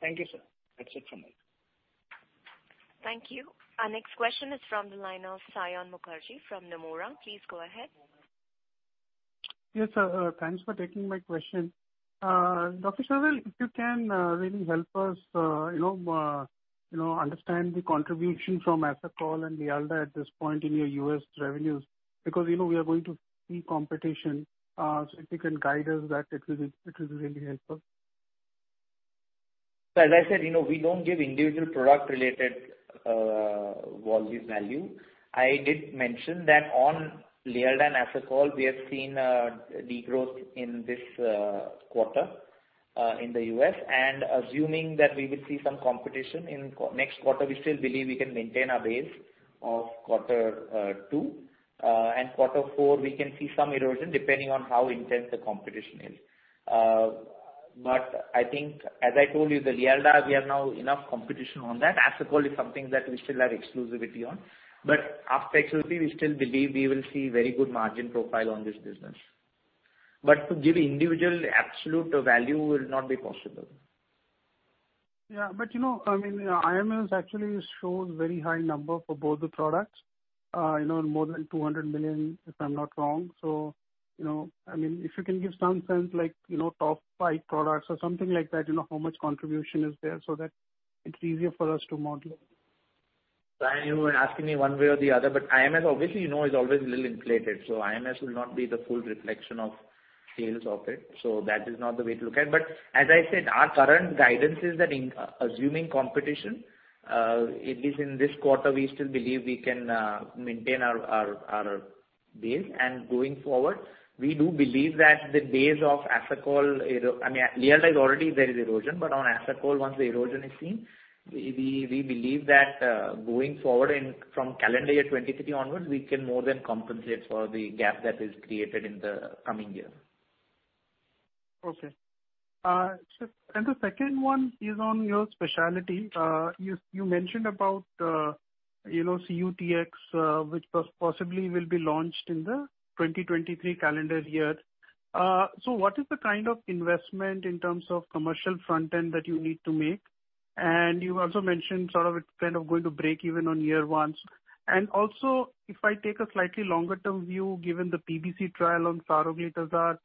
Thank you, sir. That's it from me. Thank you. Our next question is from the line of Saion Mukherjee from Nomura. Please go ahead. Yes, thanks for taking my question. Dr. Sharvil Patel, if you can really help us, you know, understand the contribution from Asacol and Lialda at this point in your U.S. revenues, because, you know, we are going to see competition. If you can guide us that, it will be really helpful. As I said, you know, we don't give individual product-related volume value. I did mention that on Lialda and Asacol we have seen degrowth in this quarter in the U.S., and assuming that we will see some competition in next quarter, we still believe we can maintain our base of quarter two. Quarter four, we can see some erosion depending on how intense the competition is. I think, as I told you, the Lialda, we have now enough competition on that. Asacol is something that we still have exclusivity on. After exclusivity, we still believe we will see very good margin profile on this business. To give individual absolute value will not be possible. Yeah. You know, I mean, IMS actually shows very high number for both the products. You know, more than 200 million, if I'm not wrong. You know, I mean, if you can give some sense like, you know, top five products or something like that, you know, how much contribution is there so that it's easier for us to model it. Saion, you are asking me one way or the other, but IMS obviously, you know, is always a little inflated. IMS will not be the full reflection of sales of it. That is not the way to look at. As I said, our current guidance is that, assuming competition at least in this quarter, we still believe we can maintain our base. Going forward, we do believe that the base of Lialda is already there is erosion. On Asacol, once the erosion is seen, we believe that, going forward from calendar year 2023 onwards, we can more than compensate for the gap that is created in the coming year. The second one is on your specialty. You mentioned about, you know, CUTX, which possibly will be launched in the 2023 calendar year. What is the kind of investment in terms of commercial front-end that you need to make? You also mentioned sort of it's kind of going to break even on year one. If I take a slightly longer term view, given the PBC trial on Saroglitazar,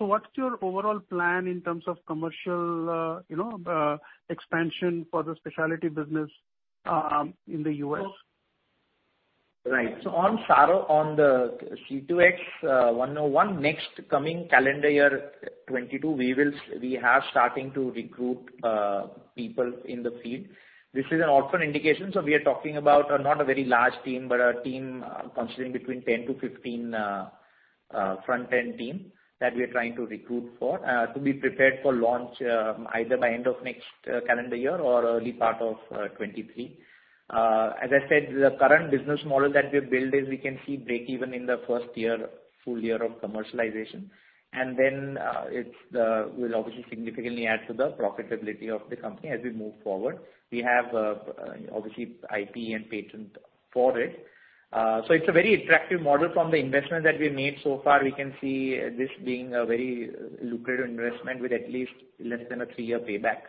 what's your overall plan in terms of commercial, you know, expansion for the specialty business in the U.S.? On the CUTX-101 in the next coming calendar year 2022, we have started to recruit people in the field. This is an orphan indication, so we are talking about not a very large team, but a team considering between 10-15 front-end team that we are trying to recruit for to be prepared for launch, either by end of next calendar year or early part of 2023. As I said, the current business model that we have built is we can see break even in the first year, full year of commercialization. Then it will obviously significantly add to the profitability of the company as we move forward. We have obviously IP and patent for it. It's a very attractive model from the investment that we have made so far. We can see this being a very lucrative investment with at least less than a three-year payback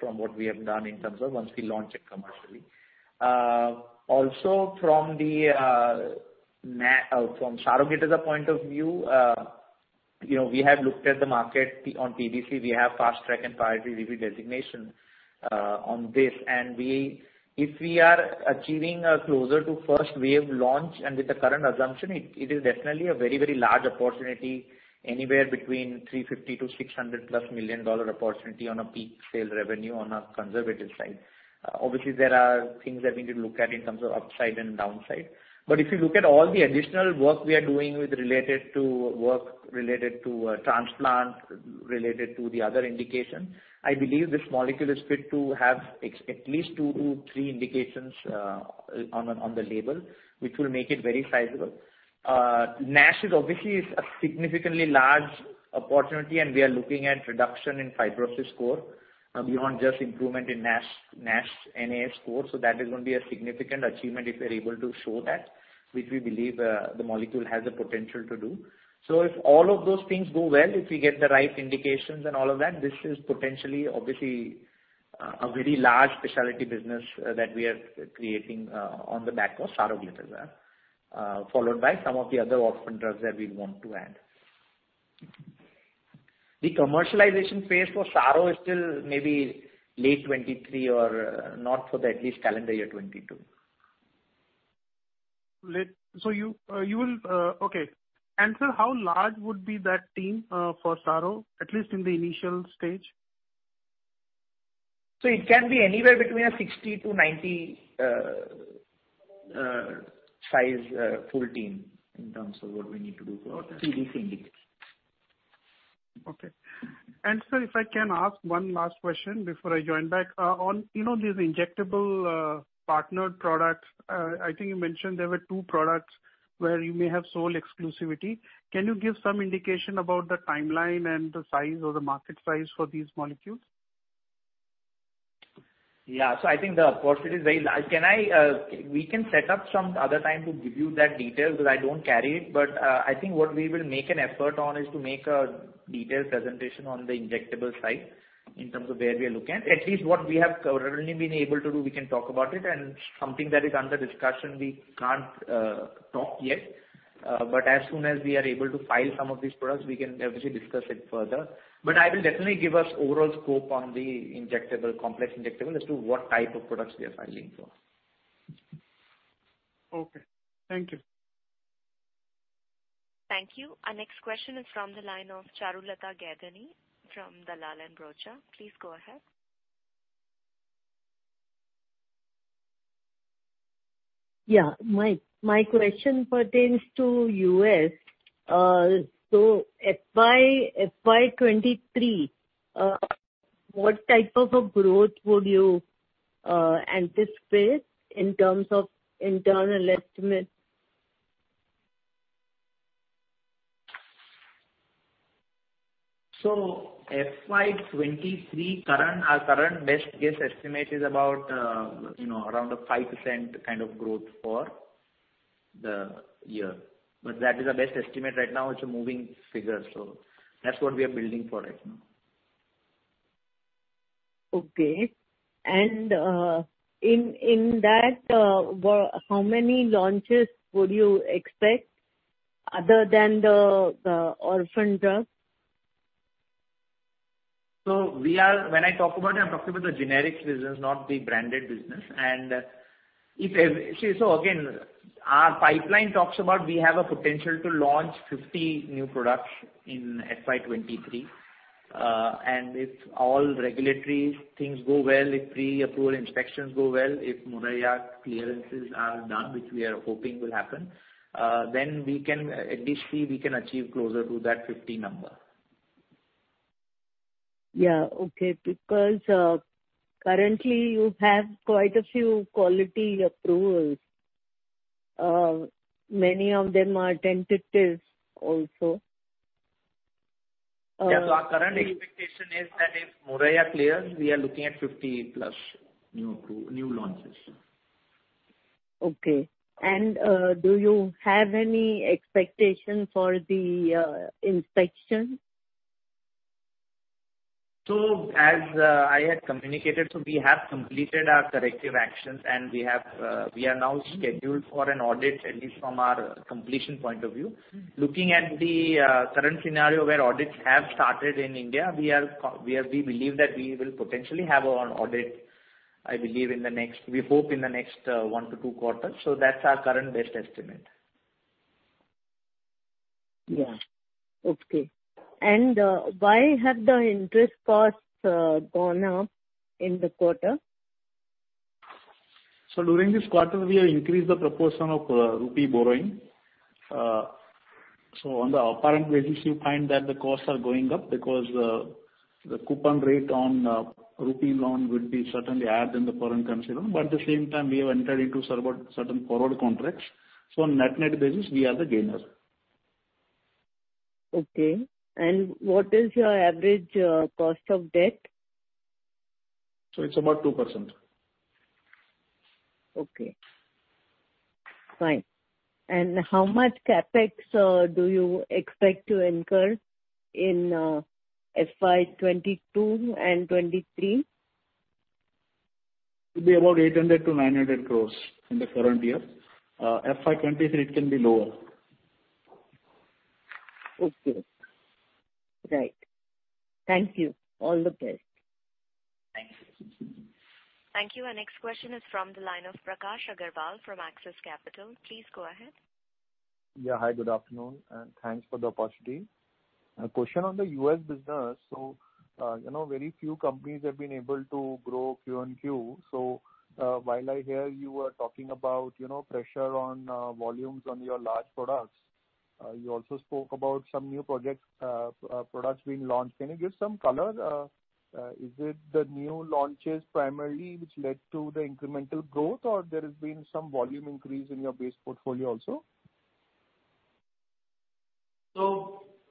from what we have done in terms of once we launch it commercially. Also from Saroglitazar point of view, you know, we have looked at the market potential on PBC. We have fast-track and priority review designation on this. We, if we are achieving closer to first wave launch and with the current assumption, it is definitely a very, very large opportunity, anywhere between $350-$600+ million on a peak sales revenue on a conservative side. Obviously there are things that we need to look at in terms of upside and downside. If you look at all the additional work we are doing related to work related to transplant, related to the other indication, I believe this molecule is fit to have at least 2-3 indications on the label, which will make it very sizable. NASH is obviously a significantly large opportunity, and we are looking at reduction in fibrosis score beyond just improvement in NASH NAS score. That is going to be a significant achievement if we're able to show that, which we believe the molecule has the potential to do. If all of those things go well, if we get the right indications and all of that, this is potentially obviously a very large specialty business that we are creating on the back of Saroglitazar, followed by some of the other orphan drugs that we want to add. The commercialization phase for Saroglitazar is still maybe late 2023 or not for at least calendar year 2022. Sir, how large would be that team for Saroglitazar, at least in the initial stage? It can be anywhere between 60-90 size full team in terms of what we need to do for- Okay. PBC indication. Okay. Sir, if I can ask one last question before I join back. On, you know, these injectable partnered products, I think you mentioned there were two products where you may have sole exclusivity. Can you give some indication about the timeline and the size or the market size for these molecules? Yeah. I think the opportunity is very large. We can set up some other time to give you that detail because I don't carry it. I think what we will make an effort on is to make a detailed presentation on the injectable side in terms of where we are looking. At least what we have currently been able to do, we can talk about it, and something that is under discussion, we can't talk yet. As soon as we are able to file some of these products, we can obviously discuss it further. I will definitely give us overall scope on the injectable, complex injectable as to what type of products we are filing for. Okay. Thank you. Thank you. Our next question is from the line of Charulata Gaidhani from Dalal & Broacha. Please go ahead. Yeah. My question pertains to U.S. FY 2023, what type of a growth would you anticipate in terms of internal estimates? FY 2023 current, our current best guess estimate is about around a 5% kind of growth for the year. That is our best estimate right now. It's a moving figure. That's what we are building for right now. Okay. In that, how many launches would you expect other than the orphan drug? When I talk about it, I'm talking about the generics business, not the branded business. Our pipeline talks about we have a potential to launch 50 new products in FY 2023. If all regulatory things go well, if pre-approval inspections go well, if Moraiya clearances are done, which we are hoping will happen, then we can at least see we can achieve closer to that 50 number. Yeah. Okay. Because, currently you have quite a few quality approvals. Many of them are tentative also. Our current expectation is that if Moraiya clears, we are looking at 50+ new launches. Okay. Do you have any expectation for the inspection? As I had communicated, we have completed our corrective actions and we are now scheduled for an audit, at least from our completion point of view. Looking at the current scenario where audits have started in India, we believe that we will potentially have our audit, I believe, we hope in the next one to two quarters. That's our current best estimate. Yeah. Okay. Why have the interest costs gone up in the quarter? During this quarter, we have increased the proportion of rupee borrowing. On the apparent basis, you find that the costs are going up because the coupon rate on rupee loan would be certainly higher than the foreign currency loan. At the same time, we have entered into certain forward contracts. On net-net basis, we are the gainer. Okay. What is your average cost of debt? It's about 2%. Okay. Fine. How much CapEx do you expect to incur in FY 2022 and 2023? It'll be about 800-900 crore in the current year. FY 2023 it can be lower. Okay. Right. Thank you. All the best. Thank you. Thank you. Our next question is from the line of Prakash Agarwal from Axis Capital. Please go ahead. Yeah. Hi, good afternoon, and thanks for the opportunity. A question on the U.S. business. You know, very few companies have been able to grow Q-o-Q. While I hear you are talking about, you know, pressure on volumes on your large products, you also spoke about some new products being launched. Can you give some color? Is it the new launches primarily which led to the incremental growth, or there has been some volume increase in your base portfolio also?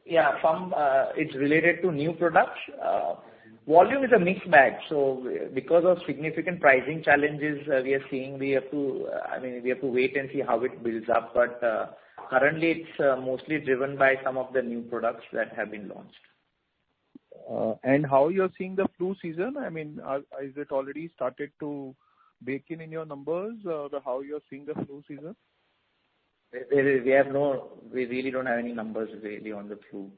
Yeah, it's related to new products. Volume is a mixed bag. Because of significant pricing challenges, I mean, we have to wait and see how it builds up. Currently it's mostly driven by some of the new products that have been launched. How you're seeing the flu season? I mean, is it already started to bake in your numbers or how you're seeing the flu season? We really don't have any numbers really on the flu.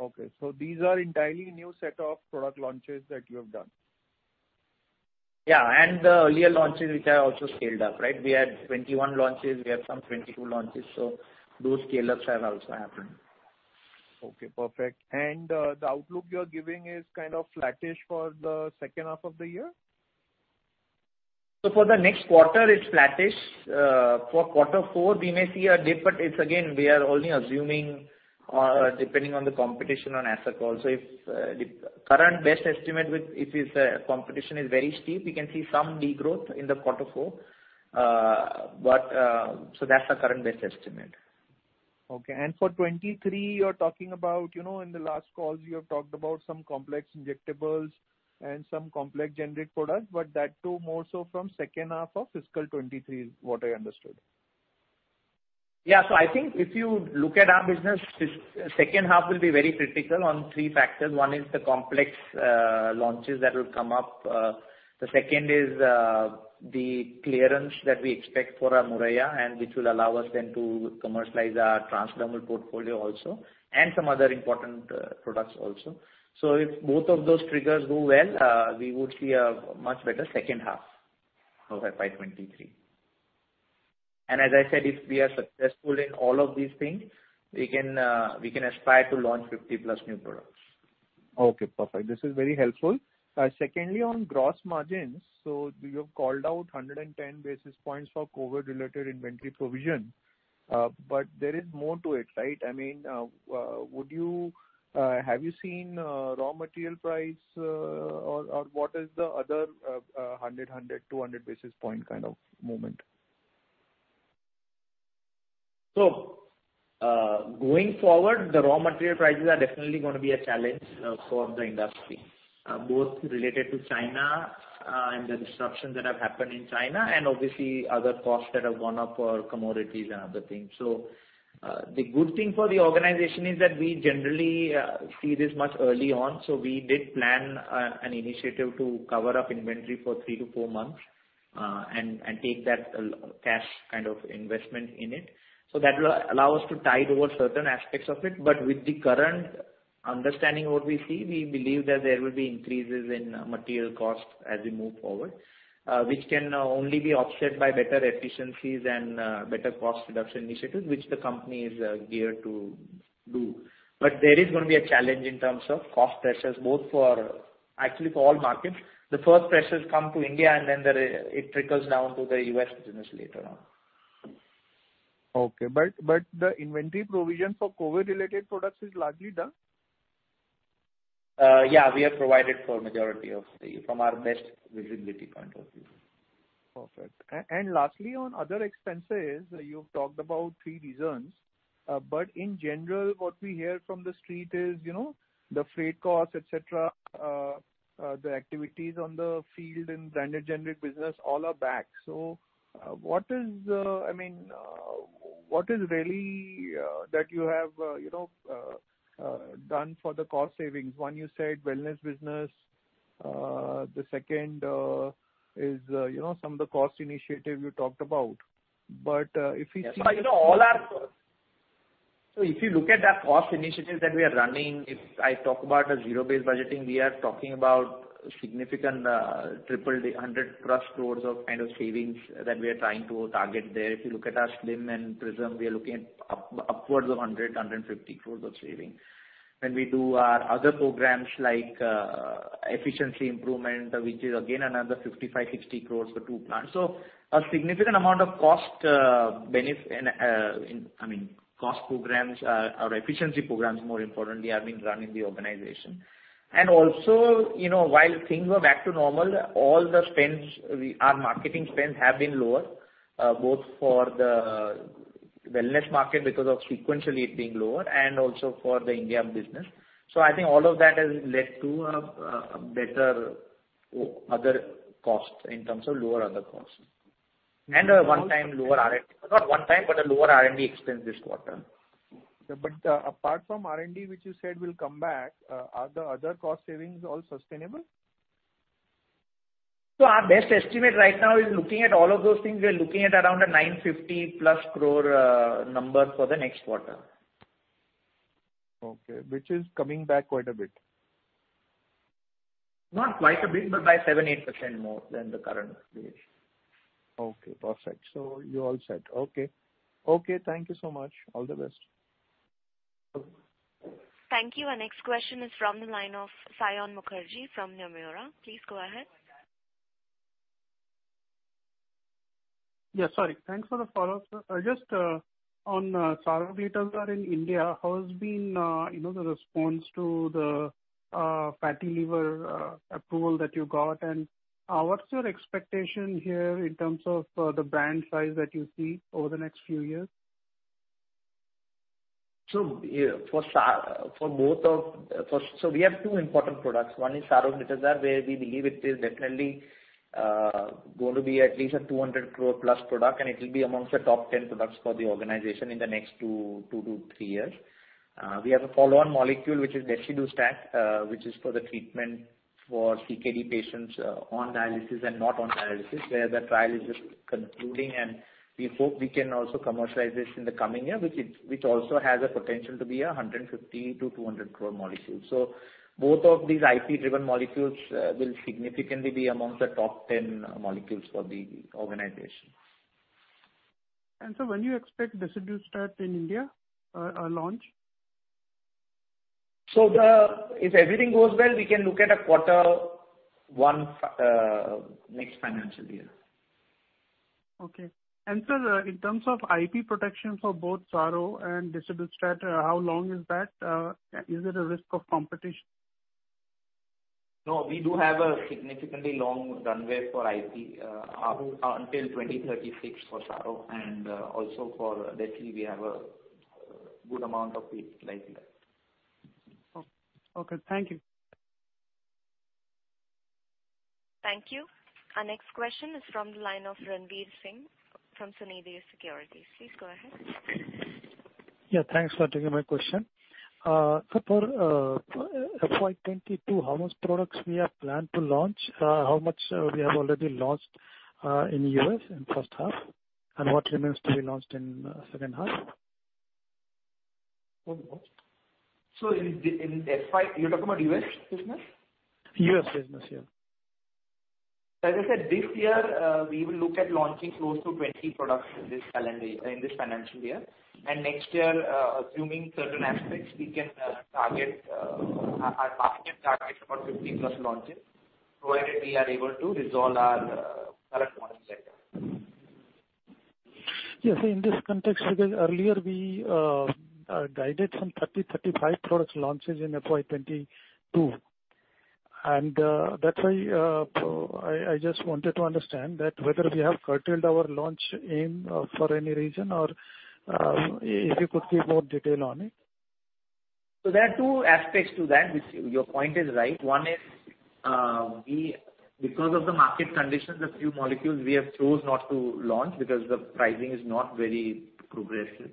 Okay. These are entirely new set of product launches that you have done. Yeah, the earlier launches which are also scaled up, right? We had 21 launches. We have some 22 launches. Those scale-ups have also happened. Okay, perfect. The outlook you're giving is kind of flattish for the second half of the year? For the next quarter it's flattish. For quarter four we may see a dip, but it's again, we are only assuming, depending on the competition and asset calls. If the current best estimate is that competition is very steep, we can see some degrowth in quarter four. That's our current best estimate. Okay. For 23 you're talking about, you know, in the last calls you have talked about some complex injectables and some complex generic products, but that too more so from second half of FY 2023, is what I understood. I think if you look at our business, second half will be very critical on three factors. One is the complex launches that will come up. The second is the clearance that we expect for our Moraiya and which will allow us then to commercialize our transdermal portfolio also, and some other important products also. If both of those triggers go well, we would see a much better second half of FY 2023. As I said, if we are successful in all of these things, we can aspire to launch 50+ new products. Okay, perfect. This is very helpful. Secondly, on gross margins, you have called out 110 basis points for COVID-related inventory provision, but there is more to it, right? I mean, have you seen raw material price, or what is the other 100-200 basis point kind of movement? Going forward, the raw material prices are definitely gonna be a challenge for the industry, both related to China and the disruptions that have happened in China and obviously other costs that have gone up for commodities and other things. The good thing for the organization is that we generally see this much early on, so we did plan an initiative to cover up inventory for 3-4 months and take that cash kind of investment in it. That will allow us to tide over certain aspects of it. With the current understanding what we see, we believe that there will be increases in material costs as we move forward, which can only be offset by better efficiencies and better cost reduction initiatives, which the company is geared to do. There is gonna be a challenge in terms of cost pressures, actually for all markets. The first pressures come to India and then there, it trickles down to the U.S. business later on. The inventory provision for COVID-related products is largely done. We have provided for majority of the from our best visibility point of view. Perfect. Lastly, on other expenses, you've talked about three reasons, but in general, what we hear from the street is, you know, the freight costs, et cetera, the activities on the field and branded generic business all are back. What is, I mean, what is really that you have, you know, done for the cost savings? One you said wellness business. The second is, you know, some of the cost initiative you talked about. If we see- You know, if you look at our cost initiatives that we are running, if I talk about a zero-based budgeting, we are talking about significant, triple the 100+ crores of kind of savings that we are trying to target there. If you look at our SLIM and PRISM, we are looking at upwards of 150 crores of savings. When we do our other programs like, efficiency improvement, which is again another 55-60 crores for two plans. A significant amount of cost programs, I mean, or efficiency programs more importantly, are being run in the organization. Also, you know, while things were back to normal, all the spends, our marketing spends have been lower, both for the Wellness market because of sequentially it being lower and also for the India business. I think all of that has led to a better other costs in terms of lower other costs. A one-time lower R&D. Not one time, but a lower R&D expense this quarter. Apart from R&D, which you said will come back, are the other cost savings all sustainable? Our best estimate right now is looking at all of those things. We are looking at around 950+ crore number for the next quarter. Okay, which is coming back quite a bit. Not quite a bit, but by 7%-8% more than the current situation. Okay, perfect. You're all set. Okay, thank you so much. All the best. Thank you. Our next question is from the line of Saion Mukherjee from Nomura. Please go ahead. Sorry. Thanks for the follow-up. Just on Saroglitazar in India, how has the response been, you know, to the fatty liver approval that you got? What's your expectation here in terms of the brand size that you see over the next few years? We have two important products. One is Saroglitazar where we believe it is definitely going to be at least 200 crore+ product, and it will be among the top 10 products for the organization in the next 2-3 years. We have a follow-on molecule, which is Desidustat, which is for the treatment for CKD patients on dialysis and not on dialysis, where the trial is just concluding and we hope we can also commercialize this in the coming year, which also has a potential to be 150 crore-200 crore molecule. Both of these IP-driven molecules will significantly be among the top 10 molecules for the organization. When you expect Desidustat in India launch? If everything goes well, we can look at a quarter one of next financial year. Okay. Sir, in terms of IP protection for both Saroglitazar and Desidustat, how long is that? Is it a risk of competition? No, we do have a significantly long runway for IP until 2036 for Saroglitazar, and also for Desidustat we have a good amount of it likely left. Okay. Thank you. Thank you. Our next question is from the line of Ranvir Singh from Sunidhi Securities. Please go ahead. Yeah, thanks for taking my question. For FY 2022, how much products we have planned to launch? How much we have already launched in U.S. in first half, and what remains to be launched in second half? In FY, you're talking about U.S. business? U.S. business, yeah. As I said, this year, we will look at launching close to 20 products in this financial year. Next year, assuming certain aspects, we can target. Our market target is about 50+ launches, provided we are able to resolve our current ones right now. Yes, in this context, because earlier we guided some 30-35 product launches in FY 2022, and that's why I just wanted to understand that whether we have curtailed our launch aim for any reason or if you could give more detail on it. There are two aspects to that. Your point is right. One is, we, because of the market conditions, a few molecules we have chose not to launch because the pricing is not very progressive.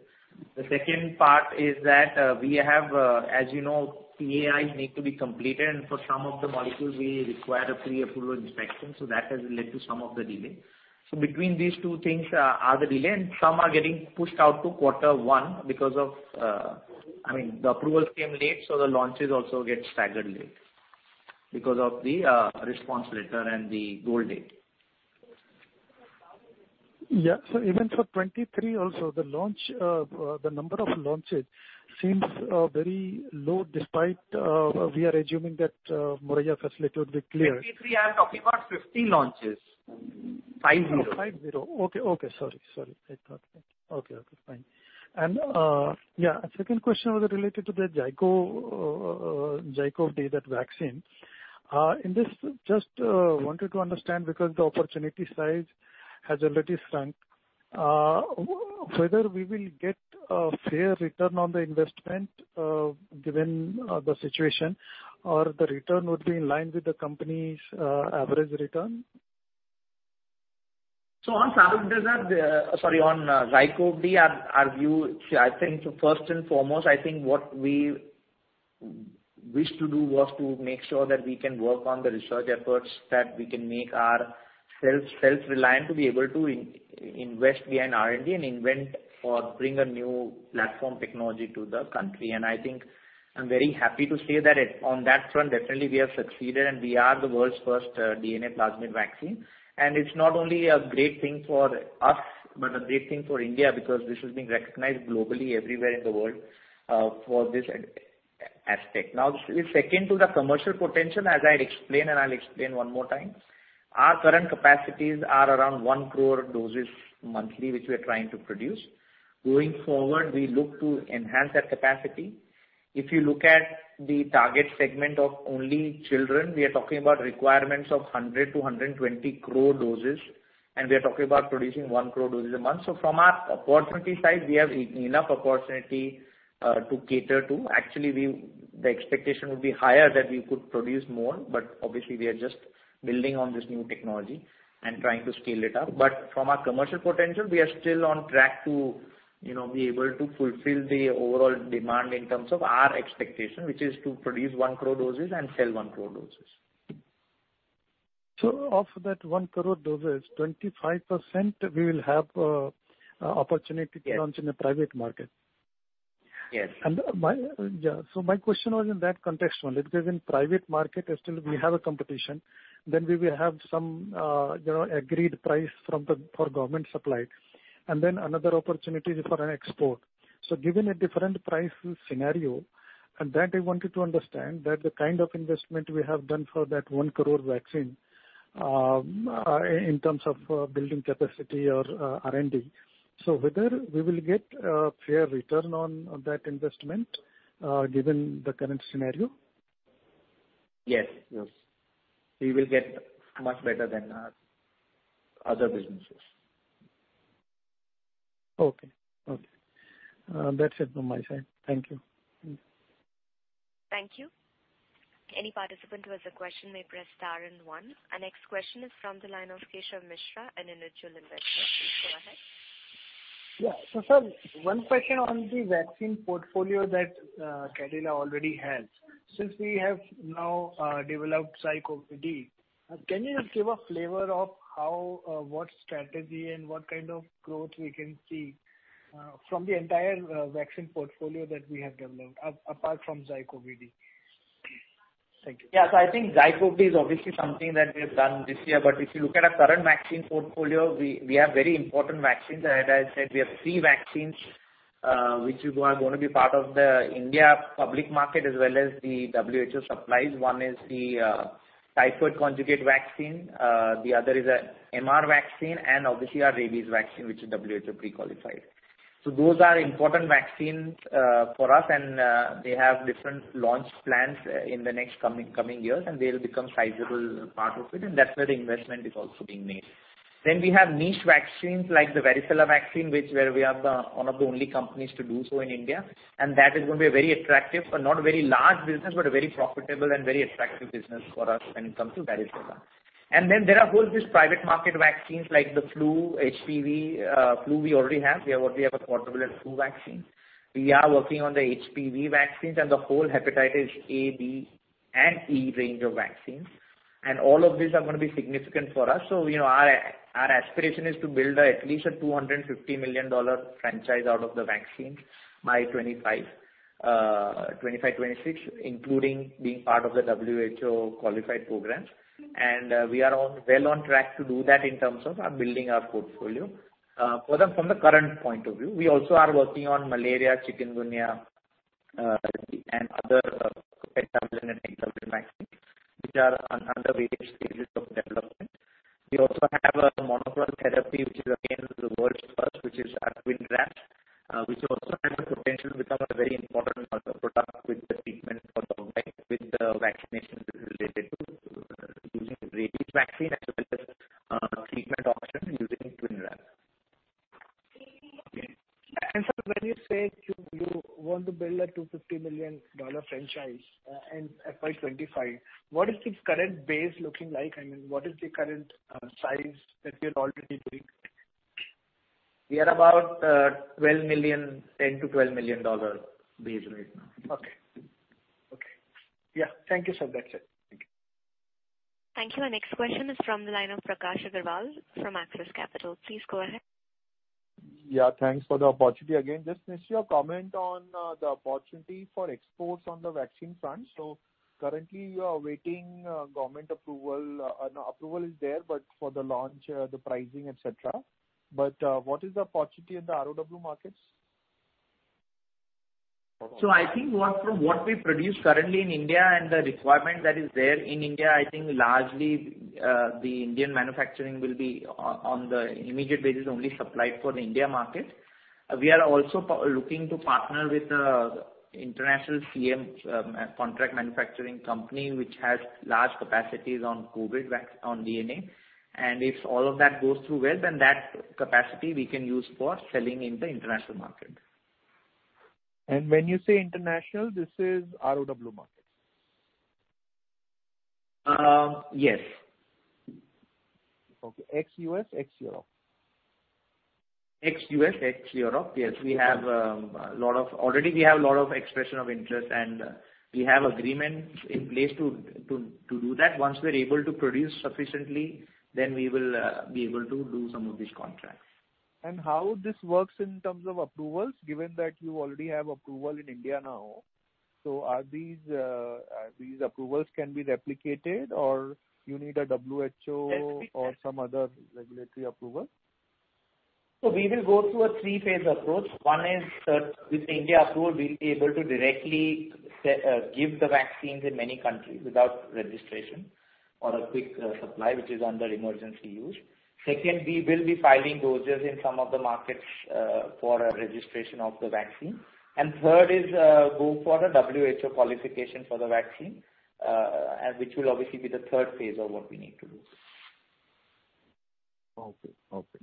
The second part is that, we have, as you know, PAIs need to be completed and for some of the molecules we require a pre-approval inspection, so that has led to some of the delay. Between these two things, are the delay and some are getting pushed out to quarter one because of, I mean, the approvals came late, so the launches also get staggered late because of the response letter and the goal date. Yeah. Even for 2023 also, the number of launches seems very low despite we are assuming that Moraiya facility would be clear. 23, I'm talking about 50 launches. 50. Yeah, second question was related to the ZyCoV-D vaccine. I just wanted to understand because the opportunity size has already shrunk, whether we will get a fair return on the investment given the situation or the return would be in line with the company's average return? On ZyCoV-D, our view, I think first and foremost, what we wish to do was to make sure that we can work on the research efforts, that we can make ourself self-reliant to be able to invest via R&D and invent or bring a new platform technology to the country. I think I'm very happy to say that on that front, definitely we have succeeded and we are the world's first DNA plasmid vaccine. It's not only a great thing for us, but a great thing for India because this is being recognized globally everywhere in the world for this aspect. Now, it's second to the commercial potential, as I'll explain one more time. Our current capacities are around one crore doses monthly, which we are trying to produce. Going forward, we look to enhance that capacity. If you look at the target segment of only children, we are talking about requirements of 100-120 crore doses, and we are talking about producing 1 crore doses a month. From our opportunity side, we have enough opportunity to cater to. Actually, the expectation would be higher than we could produce more, but obviously, we are just building on this new technology and trying to scale it up. From our commercial potential, we are still on track to, you know, be able to fulfill the overall demand in terms of our expectation, which is to produce one crore doses and sell one crore doses. Of that one crore doses, 25% we will have opportunity. Yes. To launch in the private market. Yes. My, yeah. My question was in that context only, because in private market still we have a competition, then we will have some, you know, agreed price from the for government supplies and then another opportunity for an export. Given a different price scenario and that I wanted to understand that the kind of investment we have done for that one crore vaccine in terms of building capacity or R&D. Whether we will get a fair return on that investment given the current scenario? Yes. Yes. We will get much better than other businesses. Okay. Okay. That's it from my side. Thank you. Mm-hmm. Thank you. Any participant who has a question may press star and one. Our next question is from the line of Keshav Mishra in Individual Investors. Please go ahead. Yeah. Sir, one question on the vaccine portfolio that Cadila already has. Since we have now developed ZyCoV-D, can you just give a flavor of how what strategy and what kind of growth we can see from the entire vaccine portfolio that we have developed, apart from ZyCoV-D? Thank you. I think ZyCoV-D is obviously something that we have done this year. If you look at our current vaccine portfolio, we have very important vaccines. As I said, we have three vaccines, which are gonna be part of the India public market as well as the WHO supplies. One is the typhoid conjugate vaccine. The other is a MR vaccine and obviously our rabies vaccine, which is WHO pre-qualified. Those are important vaccines for us, and they have different launch plans in the next coming years, and they'll become sizable part of it, and that's where the investment is also being made. We have niche vaccines like the varicella vaccine, which, where we are the one of the only companies to do so in India, and that is gonna be a very attractive but not a very large business, but a very profitable and very attractive business for us when it comes to varicella. There are all these private market vaccines like the flu, HPV. Flu we already have. We have a quadrivalent flu vaccine. We are working on the HPV vaccines and the whole hepatitis A, B, and E range of vaccines. All of these are gonna be significant for us. You know, our aspiration is to build at least a $250 million franchise out of the vaccines by 2025-2026, including being part of the WHO qualified programs. We are well on track to do that in terms of building our portfolio. For them from the current point of view, we also are working on malaria, chikungunya, and other pentavalent and hexavalent vaccines, which are on other various stages of development. We also have a monoclonal therapy, which is again the world's first, which is our Twinrab, which also has the potential to become a very important product with the treatment for the vaccinations related to using rabies vaccine, as well as treatment option using Twinrab. Okay. Sir, when you say you want to build a $250 million franchise in FY 2025, what is the current base looking like? I mean, what is the current size that you're already doing? We are about $10 million-$12 million dollar base right now. Okay. Yeah. Thank you, sir. That's it. Thank you. Thank you. Our next question is from the line of Prakash Agarwal from Axis Capital. Please go ahead. Yeah, thanks for the opportunity again. I just need your comment on the opportunity for exports on the vaccine front. Currently you are waiting for government approval. No approval is there, but for the launch, the pricing, et cetera. What is the opportunity in the ROW markets? I think from what we produce currently in India and the requirement that is there in India, I think largely the Indian manufacturing will be on the immediate basis only supplied for the India market. We are also looking to partner with international CMO contract manufacturing company which has large capacities on COVID vaccine, on DNA. If all of that goes through well, that capacity we can use for selling in the international market. When you say international, this is ROW markets? Yes. Okay. ex-U.S., ex-Europe. Ex-U.S., ex-Europe. Yes. We already have a lot of expression of interest, and we have agreement in place to do that. Once we're able to produce sufficiently, then we will be able to do some of these contracts. How this works in terms of approvals, given that you already have approval in India now. Are these approvals can be replicated or you need a WHO- Yes, we can. Some other regulatory approval? We will go through a three-phase approach. One is that with Indian approval, we'll be able to directly give the vaccines in many countries without registration or a quick supply which is under emergency use. Second, we will be filing dossiers in some of the markets for a registration of the vaccine. Third is go for a WHO qualification for the vaccine, and which will obviously be the third phase of what we need to do. Okay. Okay,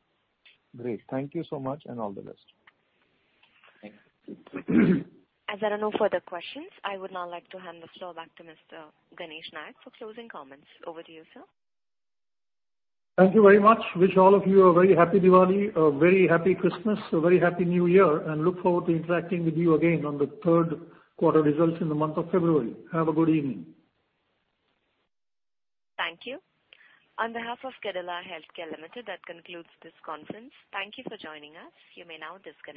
great. Thank you so much, and all the best. Thank you. As there are no further questions, I would now like to hand the floor back to Mr. Ganesh Nayak for closing comments. Over to you, sir. Thank you very much. Wish all of you a very happy Diwali, a very happy Christmas, a very happy New Year, and look forward to interacting with you again on the third quarter results in the month of February. Have a good evening. Thank you. On behalf of Zydus Lifesciences Limited, that concludes this conference. Thank you for joining us. You may now disconnect your lines.